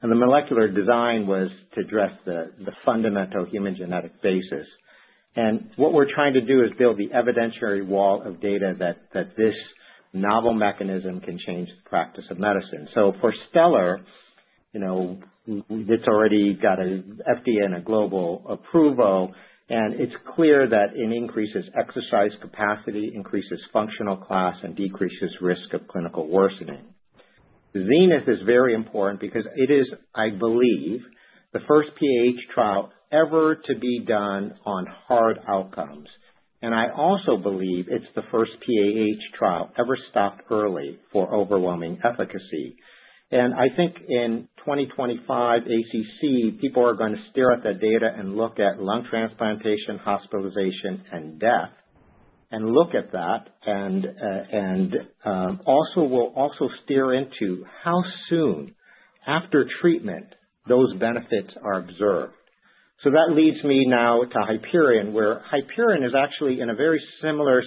Speaker 5: And the molecular design was to address the fundamental human genetic basis. And what we're trying to do is build the evidentiary wall of data that this novel mechanism can change the practice of medicine. So, for STELLAR, you know, it's already got an FDA and a global approval, and it's clear that it increases exercise capacity, increases functional class, and decreases risk of clinical worsening. ZENITH is very important because it is, I believe, the first PAH trial ever to be done on hard outcomes. And I also believe it's the first PAH trial ever stopped early for overwhelming efficacy. And I think in 2025 ACC, people are going to stare at that data and look at lung transplantation, hospitalization, and death, and look at that and also steer into how soon after treatment those benefits are observed. So, that leads me now to HYPERION, where HYPERION is actually in a very similar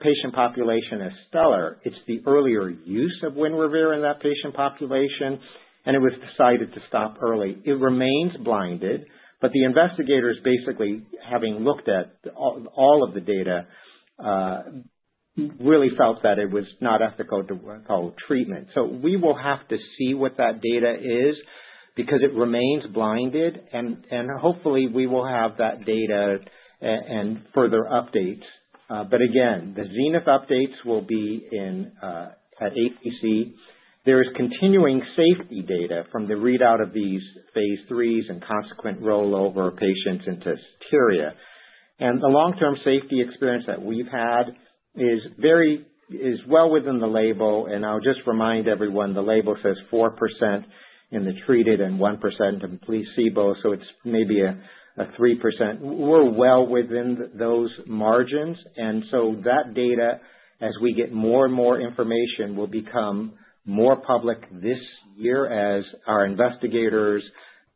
Speaker 5: patient population as STELLAR. It's the earlier use of Winrevair in that patient population, and it was decided to stop early. It remains blinded, but the investigators, basically having looked at all of the data, really felt that it was not ethical to continue treatment. So, we will have to see what that data is because it remains blinded, and hopefully we will have that data and further updates. But again, the ZENITH updates will be in at ACC. There is continuing safety data from the readout of these phase IIIs and consequent rollover of patients into SOTERIA. And the long-term safety experience that we've had is very well within the label. And I'll just remind everyone, the label says 4% in the treated and 1% in the placebo. So, it's maybe a 3%. We're well within those margins. And so, that data, as we get more and more information, will become more public this year as our investigators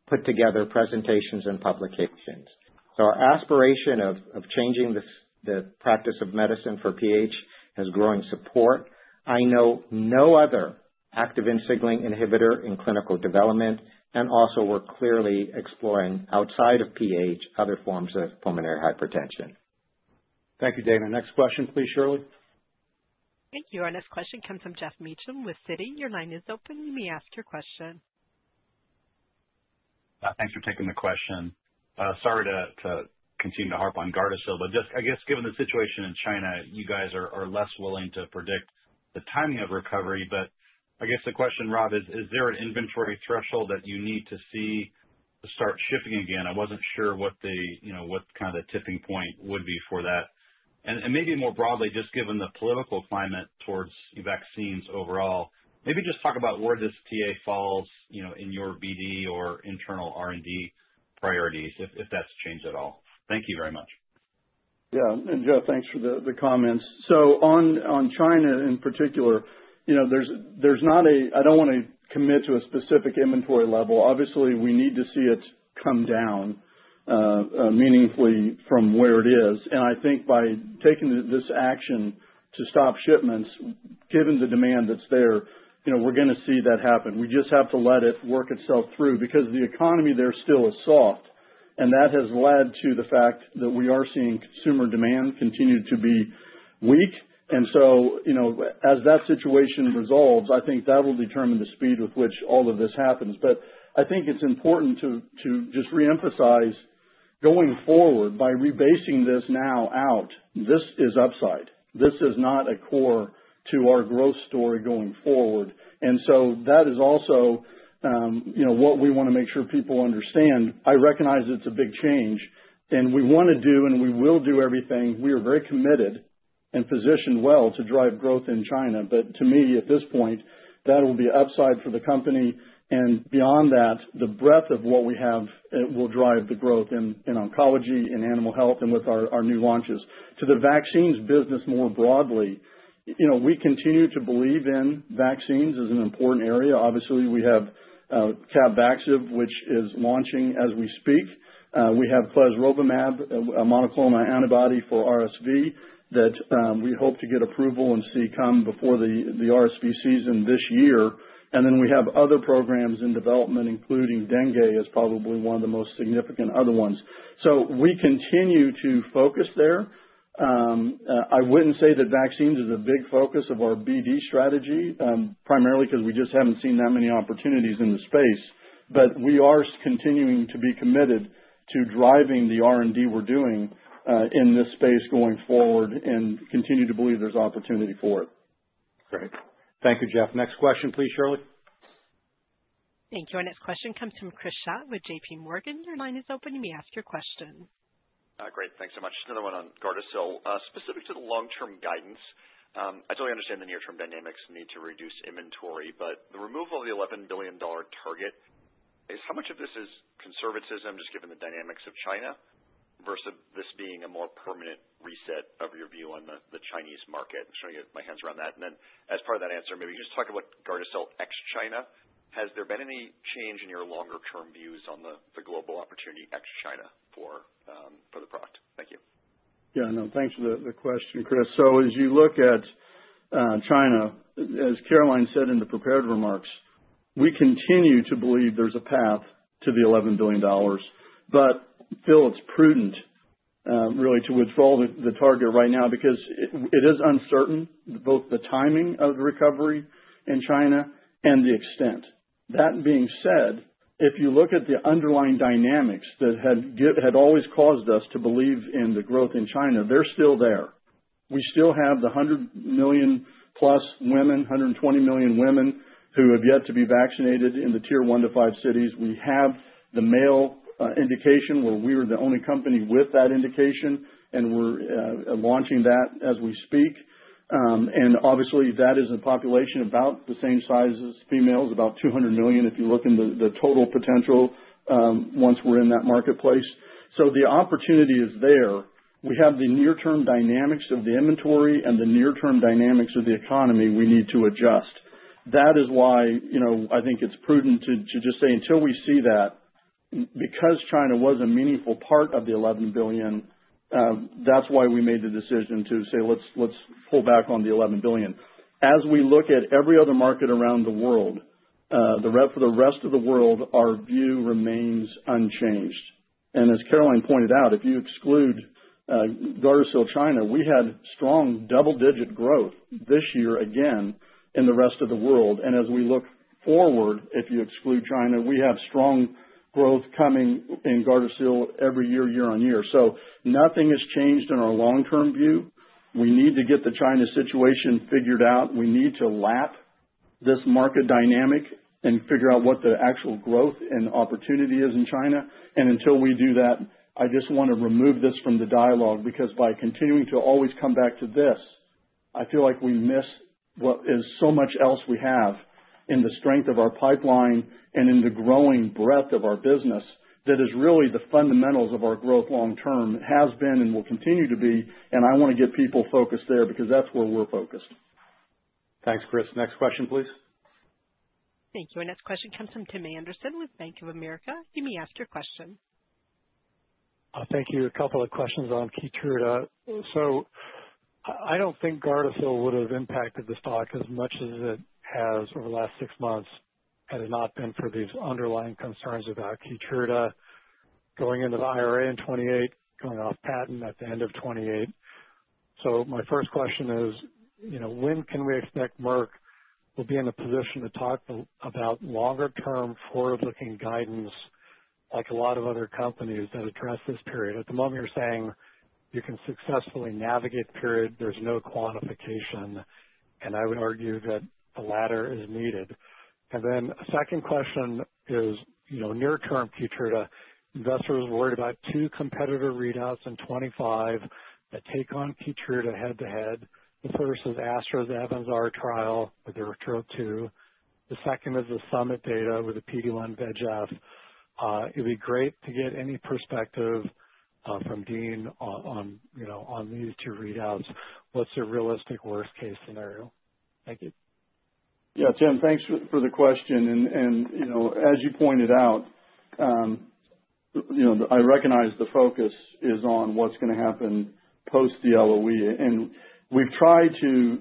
Speaker 5: put together presentations and publications. So, our aspiration of changing the practice of medicine for pH has growing support. I know no other activin signaling inhibitor in clinical development, and also we're clearly exploring outside of pH other forms of pulmonary hypertension.
Speaker 2: Thank you, Dana. Next question, please, Shirley.
Speaker 1: Thank you. Our next question comes from Geoff Meacham with Citi. Your line is open. You may ask your question.
Speaker 11: Thanks for taking the question. Sorry to continue to harp on Gardasil, but just, I guess, given the situation in China, you guys are less willing to predict the timing of recovery. But I guess the question, Rob, is there an inventory threshold that you need to see to start shifting again? I wasn't sure what the, you know, what kind of tipping point would be for that. And maybe more broadly, just given the political climate towards vaccines overall, maybe just talk about where this TA falls, you know, in your BD or internal R&D priorities, if that's changed at all. Thank you very much.
Speaker 3: Yeah. And Joe, thanks for the comments. So, on China in particular, you know, there's not. I don't want to commit to a specific inventory level. Obviously, we need to see it come down, meaningfully from where it is. And I think by taking this action to stop shipments, given the demand that's there, you know, we're going to see that happen. We just have to let it work itself through because the economy there still is soft, and that has led to the fact that we are seeing consumer demand continue to be weak. And so, you know, as that situation resolves, I think that will determine the speed with which all of this happens. But I think it's important to just reemphasize going forward by rebasing this now out. This is upside. This is not a core to our growth story going forward. And so, that is also, you know, what we want to make sure people understand. I recognize it's a big change, and we want to do and we will do everything. We are very committed and positioned well to drive growth in China. But to me, at this point, that will be upside for the company. And beyond that, the breadth of what we have will drive the growth in oncology, in animal health, and with our new launches. To the vaccines business more broadly, you know, we continue to believe in vaccines as an important area. Obviously, we have Capvaxive, which is launching as we speak. We have Clesrovimab, a monoclonal antibody for RSV that we hope to get approval and see come before the RSV season this year. And then we have other programs in development, including Dengue, is probably one of the most significant other ones. So, we continue to focus there. I wouldn't say that vaccines is a big focus of our BD strategy, primarily because we just haven't seen that many opportunities in the space. But we are continuing to be committed to driving the R&D we're doing, in this space going forward and continue to believe there's opportunity for it. Great.
Speaker 2: Thank you, Jeff. Next question, please, Shirley.
Speaker 1: Thank you. Our next question comes from Chris with JPMorgan. Your line is open. You may ask your question.
Speaker 12: Great. Thanks so much. Another one on Gardasil. Specific to the long-term guidance, I totally understand the near-term dynamics need to reduce inventory, but the removal of the $11 billion target, I guess, how much of this is conservatism just given the dynamics of China versus this being a more permanent reset of your view on the Chinese market? I'm just trying to get my hands around that. And then, as part of that answer, maybe you just talk about Gardasil ex-China. Has there been any change in your longer-term views on the global opportunity ex-China for the product? Thank you.
Speaker 3: Yeah. No, thanks for the question, Chris. So, as you look at China, as Caroline said in the prepared remarks, we continue to believe there's a path to the $11 billion. But still, it's prudent, really, to withdraw the target right now because it is uncertain, both the timing of the recovery in China and the extent. That being said, if you look at the underlying dynamics that had always caused us to believe in the growth in China, they're still there. We still have the 100 million-plus women, 120 million women who have yet to be vaccinated in the tier one to five cities. We have the male indication where we were the only company with that indication, and we're launching that as we speak. And obviously, that is a population about the same size as females, about 200 million if you look in the total potential, once we're in that marketplace. So, the opportunity is there. We have the near-term dynamics of the inventory and the near-term dynamics of the economy we need to adjust. That is why, you know, I think it's prudent to just say until we see that, because China was a meaningful part of the $11 billion. That's why we made the decision to say, let's pull back on the $11 billion. As we look at every other market around the world, the rev for the rest of the world, our view remains unchanged. And as Caroline pointed out, if you exclude Gardasil China, we had strong double-digit growth this year again in the rest of the world. And as we look forward, if you exclude China, we have strong growth coming in Gardasil every year, year on year. So, nothing has changed in our long-term view. We need to get the China situation figured out. We need to lap this market dynamic and figure out what the actual growth and opportunity is in China. Until we do that, I just want to remove this from the dialogue because by continuing to always come back to this, I feel like we miss what is so much else we have in the strength of our pipeline and in the growing breadth of our business that is really the fundamentals of our growth long-term, has been and will continue to be. I want to get people focused there because that's where we're focused.
Speaker 2: Thanks, Chris. Next question, please.
Speaker 1: Thank you. Our next question comes from Tim Anderson with Bank of America. You may ask your question.
Speaker 13: Thank you. A couple of questions on KEYTRUDA. I don't think Gardasil would have impacted the stock as much as it has over the last six months had it not been for these underlying concerns about Keytruda going into the IRA in 2028, going off patent at the end of 2028. My first question is, you know, when can we expect Merck will be in a position to talk about longer-term forward-looking guidance like a lot of other companies that address this period? At the moment, you're saying you can successfully navigate the period. There's no quantification. And I would argue that the latter is needed. And then a second question is, you know, near-term Keytruda. Investors are worried about two competitor readouts in 2025 that take on Keytruda head-to-head. The first is Astra's AVANZAR trial with the TROP2. The second is the Summit data with the PD-1/VEGF. It'd be great to get any perspective from Dean on, you know, on these two readouts. What's your realistic worst-case scenario? Thank you.
Speaker 3: Yeah. Tim, thanks for the question. And, you know, as you pointed out, you know, I recognize the focus is on what's going to happen post the LOE. And we've tried to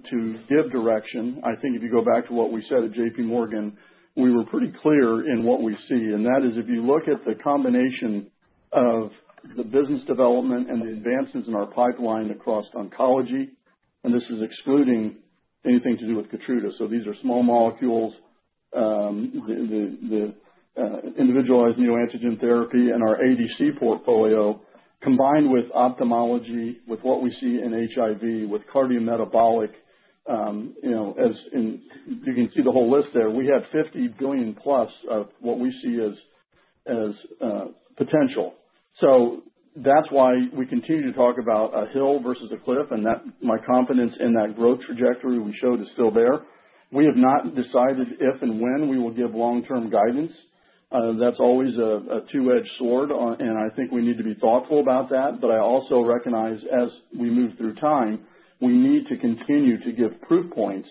Speaker 3: give direction. I think if you go back to what we said at JPMorgan, we were pretty clear in what we see. And that is if you look at the combination of the business development and the advances in our pipeline across oncology, and this is excluding anything to do with Keytruda. So, these are small molecules, the individualized neoantigen therapy and our ADC portfolio combined with ophthalmology, with what we see in HIV, with cardiometabolic, you know, as in you can see the whole list there. We had $50 billion-plus of what we see as potential. So, that's why we continue to talk about a hill versus a cliff, and that my confidence in that growth trajectory we showed is still there. We have not decided if and when we will give long-term guidance. That's always a two-edged sword, and I think we need to be thoughtful about that. But I also recognize as we move through time, we need to continue to give proof points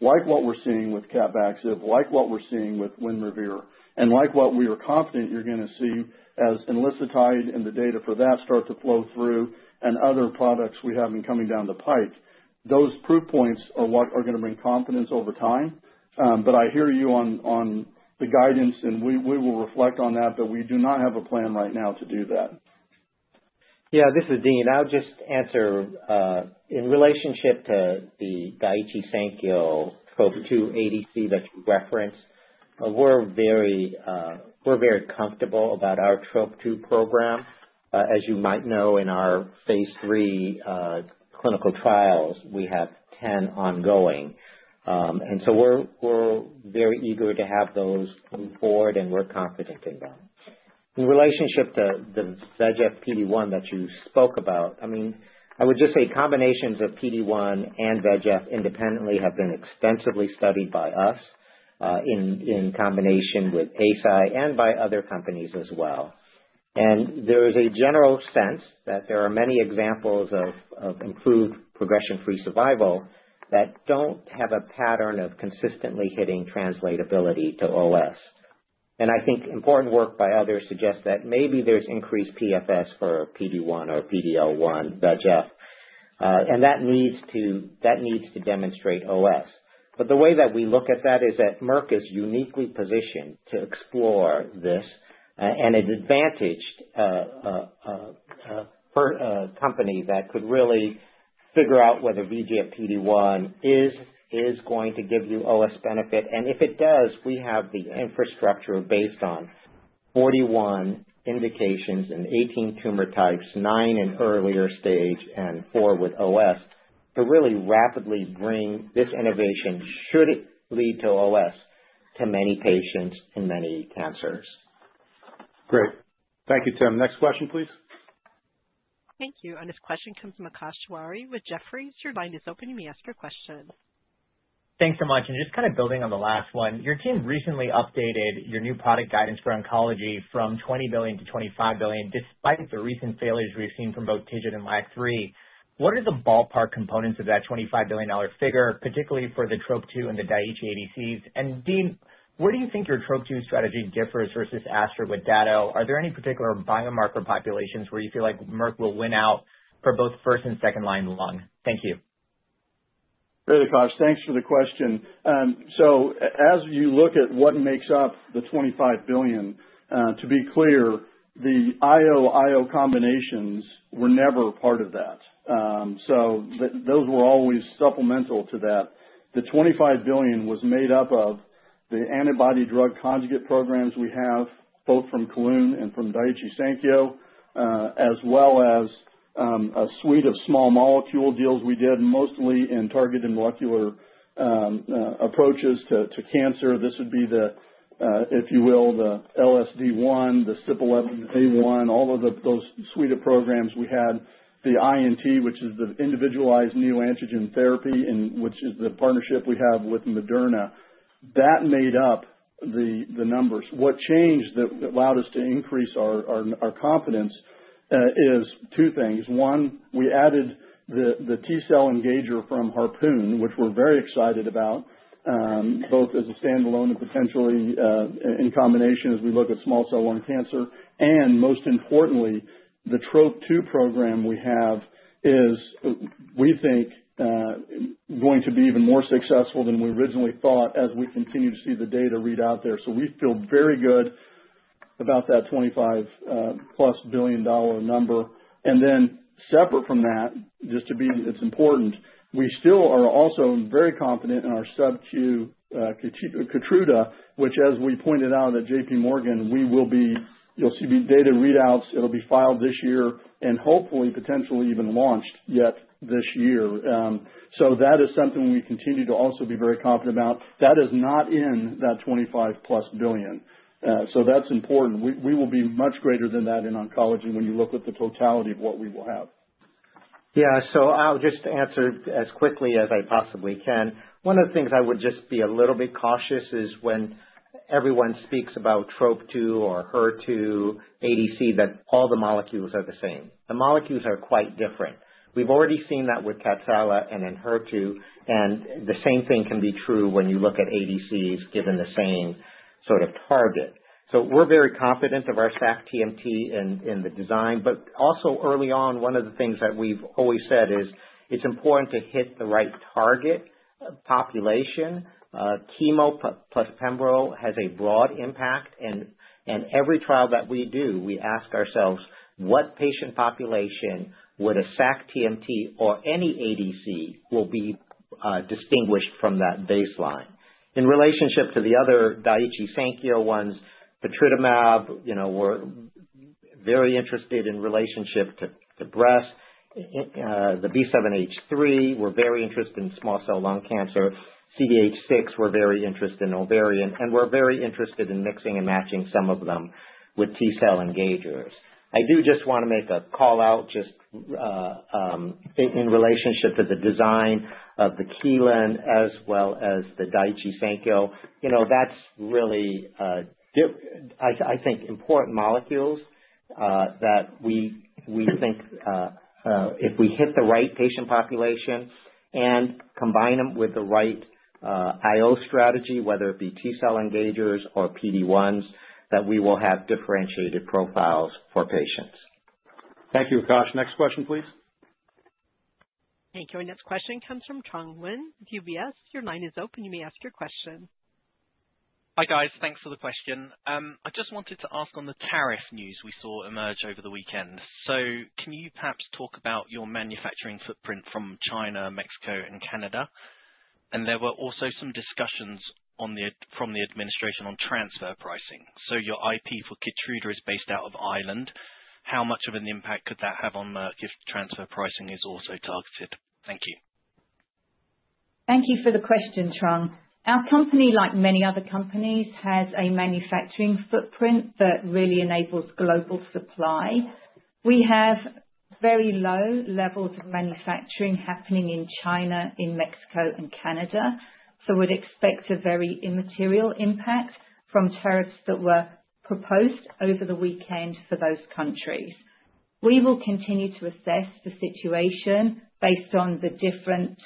Speaker 3: like what we're seeing with Capvaxive, like what we're seeing with Winrevair, and like what we are confident you're going to see as MK-0616 and the data for that start to flow through and other products we have been coming down the pike. Those proof points are what are going to bring confidence over time. but I hear you on the guidance, and we will reflect on that, but we do not have a plan right now to do that.
Speaker 5: Yeah. This is Dean. I'll just answer in relationship to the Daiichi Sankyo TROP2 ADC that you referenced. We're very comfortable about our TROP2 program. As you might know, in our phase III clinical trials, we have 10 ongoing. And so we're very eager to have those move forward, and we're confident in that. In relationship to the VEGF PD-1 that you spoke about, I mean, I would just say combinations of PD-1 and VEGF independently have been extensively studied by us in combination with Keytruda and by other companies as well. There is a general sense that there are many examples of improved progression-free survival that don't have a pattern of consistently hitting translatability to OS. I think important work by others suggests that maybe there's increased PFS for PD-1 or PD-L1, VEGF, and that needs to demonstrate OS. But the way that we look at that is that Merck is uniquely positioned to explore this, and an advantaged company that could really figure out whether VEGF PD-1 is going to give you OS benefit. If it does, we have the infrastructure based on 41 indications and 18 tumor types, nine in earlier stage and four with OS, to really rapidly bring this innovation, should it lead to OS, to many patients and many cancers. Great.
Speaker 2: Thank you, Tim. Next question, please.
Speaker 1: Thank you. Our next question comes from Akash Tewari with Jefferies. Your line is open. You may ask your question.
Speaker 14: Thanks so much. And just kind of building on the last one, your team recently updated your new product guidance for oncology from $20 billion to $25 billion despite the recent failures we've seen from both TIGIT and LAG-3. What are the ballpark components of that $25 billion figure, particularly for the TROP2 and the Daiichi ADCs? And Dean, where do you think your TROP2 strategy differs versus Astra with Dato-DXd? Are there any particular biomarker populations where you feel like Merck will win out for both first and second-line lung? Thank you.
Speaker 3: Great, Akash. Thanks for the question. So as you look at what makes up the $25 billion, to be clear, the IO-IO combinations were never part of that. So those were always supplemental to that. The $25 billion was made up of the antibody-drug conjugate programs we have, both from Kelun and from Daiichi Sankyo, as well as a suite of small molecule deals we did, mostly in targeted molecular approaches to cancer. This would be the, if you will, the LSD1, the CYP11A1, all of those suite of programs we had, the INT, which is the individualized neoantigen therapy, and which is the partnership we have with Moderna. That made up the numbers. What changed that allowed us to increase our confidence is two things. One, we added the T-cell engager from Harpoon, which we're very excited about, both as a standalone and potentially in combination as we look at small cell lung cancer. And most importantly, the TROP2 program we have is, we think, going to be even more successful than we originally thought as we continue to see the data read out there. So, we feel very good about that $25-plus billion number. And then separate from that, just to be it's important, we still are also very confident in our subQ Keytruda, which, as we pointed out at JPMorgan, we will be you'll see data readouts. It'll be filed this year and hopefully potentially even launched yet this year. So that is something we continue to also be very confident about. That is not in that $25-plus billion. So that's important. We will be much greater than that in oncology when you look at the totality of what we will have.
Speaker 5: Yeah. So, I'll just answer as quickly as I possibly can. One of the things I would just be a little bit cautious is when everyone speaks about TROP2 or HER2 ADC, that all the molecules are the same. The molecules are quite different. We've already seen that with Kadcyla and in HER2, and the same thing can be true when you look at ADCs given the same sort of target. So, we're very confident of our Sac-TMT in the design. But also, early on, one of the things that we've always said is it's important to hit the right target population. Chemo plus pembro has a broad impact. And every trial that we do, we ask ourselves, what patient population would a Sac-TMT or any ADC will be, distinguished from that baseline? In relationship to the other Daiichi Sankyo ones, patritumab, you know, we're very interested in relationship to breast. The B7H3, we're very interested in small cell lung cancer. CDH6, we're very interested in ovarian. And we're very interested in mixing and matching some of them with T-cell engagers. I do just want to make a call out, in relationship to the design of the Kelun as well as the Daiichi Sankyo. You know, that's really, I think important molecules, that we think, if we hit the right patient population and combine them with the right, IO strategy, whether it be T-cell engagers or PD1s, that we will have differentiated profiles for patients.
Speaker 2: Thank you, Akash. Next question, please.
Speaker 1: Thank you. Our next question comes from Trung Huynh with UBS. Your line is open. You may ask your question.
Speaker 15: Hi, guys. Thanks for the question. I just wanted to ask on the tariff news we saw emerge over the weekend. Can you perhaps talk about your manufacturing footprint from China, Mexico, and Canada? And there were also some discussions from the administration on transfer pricing. Your IP for Keytruda is based out of Ireland. How much of an impact could that have on Merck if transfer pricing is also targeted? Thank you.
Speaker 4: Thank you for the question, Chong. Our company, like many other companies, has a manufacturing footprint that really enables global supply. We have very low levels of manufacturing happening in China, in Mexico, and Canada. We'd expect a very immaterial impact from tariffs that were proposed over the weekend for those countries. We will continue to assess the situation based on the different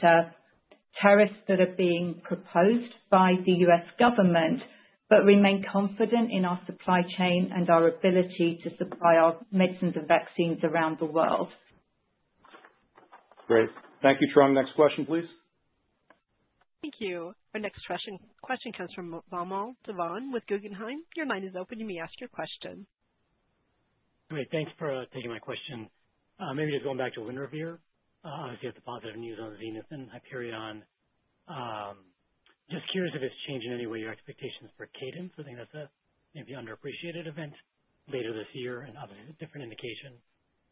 Speaker 4: tariffs that are being proposed by the U.S. government, but remain confident in our supply chain and our ability to supply our medicines and vaccines around the world. Great.
Speaker 2: Thank you, Chong. Next question, please.
Speaker 1: Thank you. Our next question comes from Vamil Divan with Guggenheim. Your line is open. You may ask your question.
Speaker 16: Great. Thanks for taking my question. Maybe just going back to Winrevair, obviously you have the positive news on Zenith, Hyperion. Just curious if it's changing any way your expectations for Cadence. I think that's a maybe underappreciated event later this year and obviously a different indication.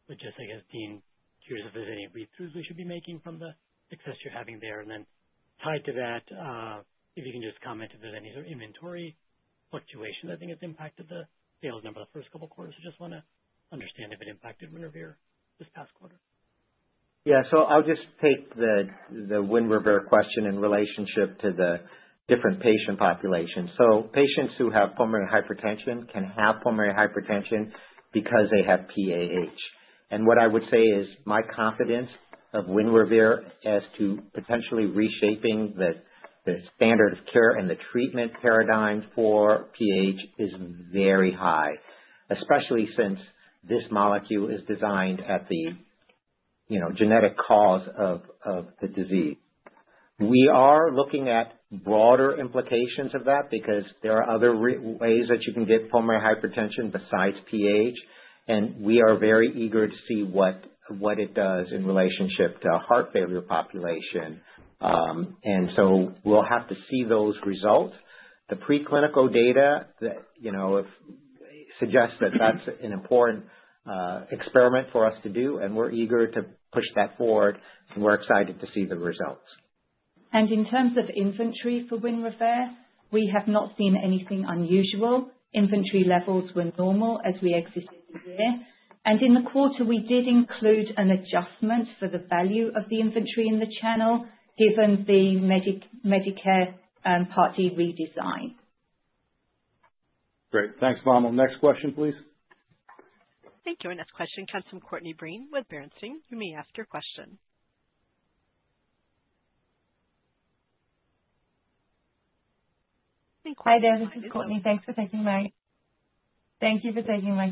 Speaker 16: But just, I guess, Dean, curious if there's any read-throughs we should be making from the success you're having there. And then tied to that, if you can just comment if there's any sort of inventory fluctuation that I think has impacted the sales number the first couple of quarters. I just want to understand if it impacted Winrevair this past quarter.
Speaker 14: Yeah. I'll just take the Wynrivar question in relationship to the different patient populations. Patients who have pulmonary hypertension can have pulmonary hypertension because they have PAH. What I would say is my confidence of Winrevair as to potentially reshaping the standard of care and the treatment paradigm for PAH is very high, especially since this molecule is designed at the, you know, genetic cause of the disease. We are looking at broader implications of that because there are other ways that you can get pulmonary hypertension besides PAH, and we are very eager to see what it does in relationship to a heart failure population, and so we'll have to see those results. The preclinical data that, you know, suggests that that's an important experiment for us to do, and we're eager to push that forward, and we're excited to see the results.
Speaker 4: In terms of inventory for Winrevair, we have not seen anything unusual. Inventory levels were normal as we exited the year. In the quarter, we did include an adjustment for the value of the inventory in the channel given the Medicare Part D redesign.
Speaker 2: Great. Thanks, Vamil. Next question, please.
Speaker 1: Thank you. Our next question comes from Courtney Breen with Bernstein. You may ask your question.
Speaker 17: Hi, there. This is Courtney. Thanks for taking my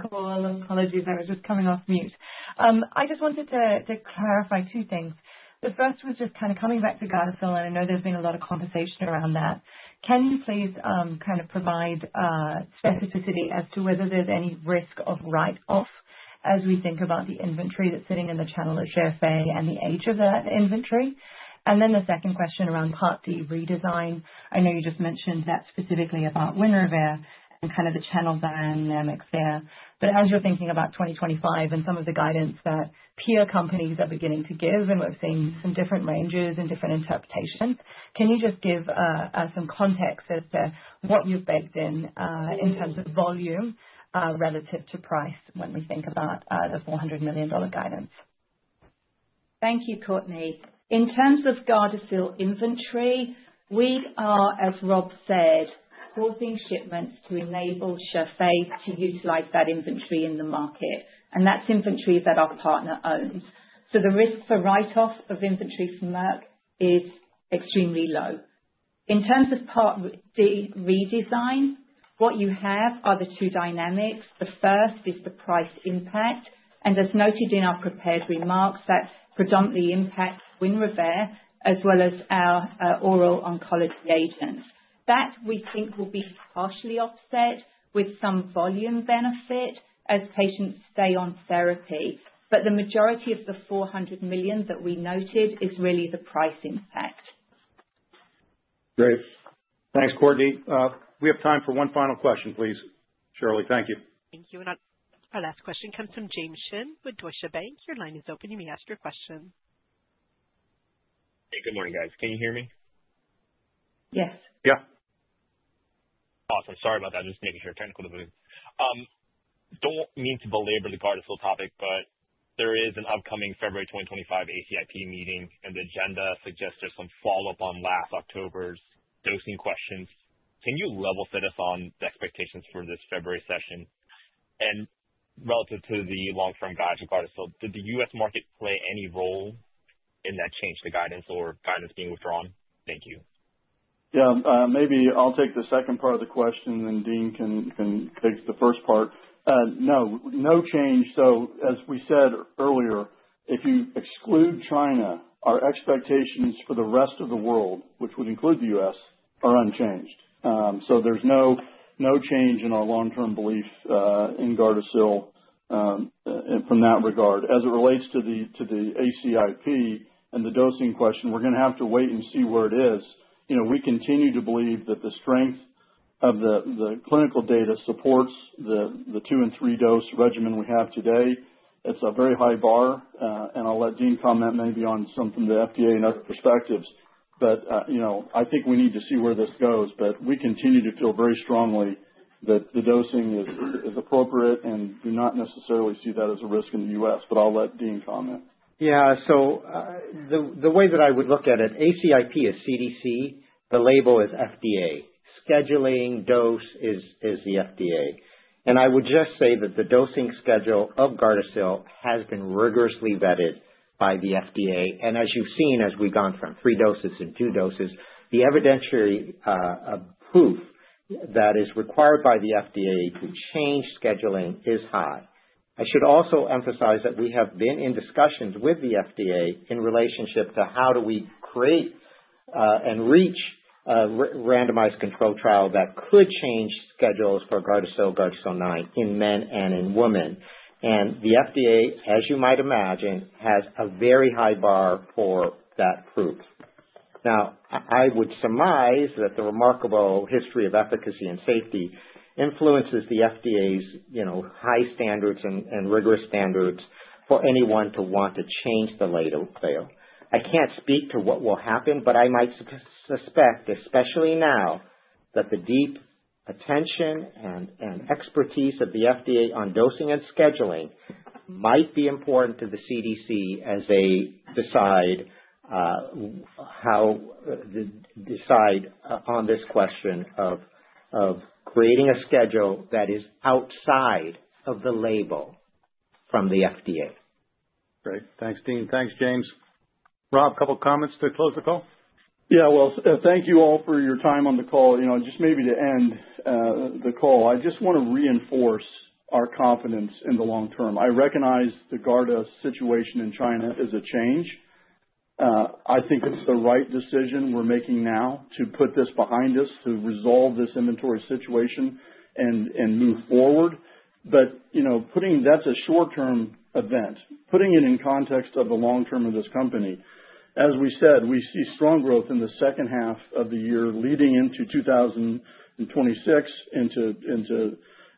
Speaker 17: call. Apologies. I was just coming off mute. I just wanted to clarify two things. The first was just kind of coming back to Gardasil, and I know there's been a lot of conversation around that. Can you please kind of provide specificity as to whether there's any risk of write-off as we think about the inventory that's sitting in the channel of Zhifei and the age of that inventory? And then the second question around part D redesign. I know you just mentioned that specifically about Winrevair and kind of the channel dynamics there. But as you're thinking about 2025 and some of the guidance that peer companies are beginning to give, and we've seen some different ranges and different interpretations, can you just give us some context as to what you've baked in in terms of volume relative to price when we think about the $400 million guidance?
Speaker 4: Thank you, Courtney. In terms of Gardasil inventory, we are, as Rob said, forcing shipments to enable Zhifei to utilize that inventory in the market. And that's inventory that our partner owns. So, the risk for write-off of inventory from Merck is extremely low. In terms of Part D redesign, what you have are the two dynamics. The first is the price impact and as noted in our prepared remarks, that predominantly impacts Winrevair as well as our oral oncology agents. That we think will be partially offset with some volume benefit as patients stay on therapy, but the majority of the $400 million that we noted is really the price impact.
Speaker 2: Great. Thanks, Courtney. We have time for one final question, please. Shirley, thank you.
Speaker 1: Thank you, and our last question comes from James Shin with Deutsche Bank. Your line is open. You may ask your question.
Speaker 18: Hey, good morning, guys. Can you hear me? Yes. Yeah. Awesome. Sorry about that. Just making sure technical debugging. Don't mean to belabor the Gardasil topic, but there is an upcoming February 2025 ACIP meeting, and the agenda suggests there's some follow-up on last October's dosing questions. Can you level set us on the expectations for this February session? And relative to the long-term guidance for Gardasil, did the U.S. market play any role in that change to guidance or guidance being withdrawn? Thank you.
Speaker 13: Yeah. Maybe I'll take the second part of the question, and Dean can take the first part. No, no change. So, as we said earlier, if you exclude China, our expectations for the rest of the world, which would include the U.S., are unchanged. So there's no change in our long-term belief in Gardasil from that regard. As it relates to the ACIP and the dosing question, we're going to have to wait and see where it is. You know, we continue to believe that the strength of the clinical data supports the two and three-dose regimen we have today. It's a very high bar, and I'll let Dean comment maybe on something the FDA and other perspectives. But, you know, I think we need to see where this goes. But we continue to feel very strongly that the dosing is appropriate and do not necessarily see that as a risk in the U.S. But I'll let Dean comment.
Speaker 19: Yeah. So, the way that I would look at it, ACIP is CDC. The label is FDA. Scheduling dose is the FDA. And I would just say that the dosing schedule of Gardasil has been rigorously vetted by the FDA. As you've seen, as we've gone from three doses and two doses, the evidentiary proof that is required by the FDA to change scheduling is high. I should also emphasize that we have been in discussions with the FDA in relationship to how do we create and reach randomized control trial that could change schedules for Gardasil, Gardasil 9 in men and in women. The FDA, as you might imagine, has a very high bar for that proof. Now, I would surmise that the remarkable history of efficacy and safety influences the FDA's, you know, high standards and rigorous standards for anyone to want to change the label. I can't speak to what will happen, but I might suspect, especially now, that the deep attention and expertise of the FDA on dosing and scheduling might be important to the CDC as they decide how they decide on this question of creating a schedule that is outside of the label from the FDA.
Speaker 2: Great. Thanks, Dean. Thanks, James. Rob, a couple of comments to close the call?
Speaker 3: Yeah. Well, thank you all for your time on the call. You know, just maybe to end the call, I just want to reinforce our confidence in the long term. I recognize the Gardasil situation in China is a change. I think it's the right decision we're making now to put this behind us, to resolve this inventory situation and move forward. But, you know, putting that aside, that's a short-term event. Putting it in context of the long term of this company. As we said, we see strong growth in the second half of the year leading into 2026, into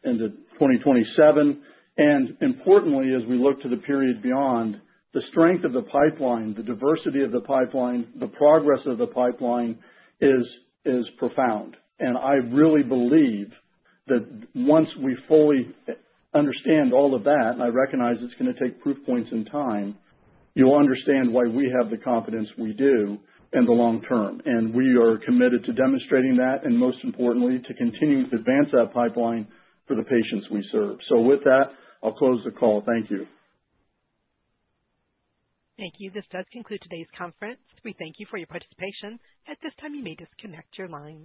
Speaker 3: 2027. And importantly, as we look to the period beyond, the strength of the pipeline, the diversity of the pipeline, the progress of the pipeline is profound. And I really believe that once we fully understand all of that, and I recognize it's going to take proof points in time, you'll understand why we have the confidence we do in the long term. And we are committed to demonstrating that and, most importantly, to continue to advance that pipeline for the patients we serve. So, with that, I'll close the call. Thank you.
Speaker 1: Thank you. This does conclude today's conference. We thank you for your participation. At this time, you may disconnect your line.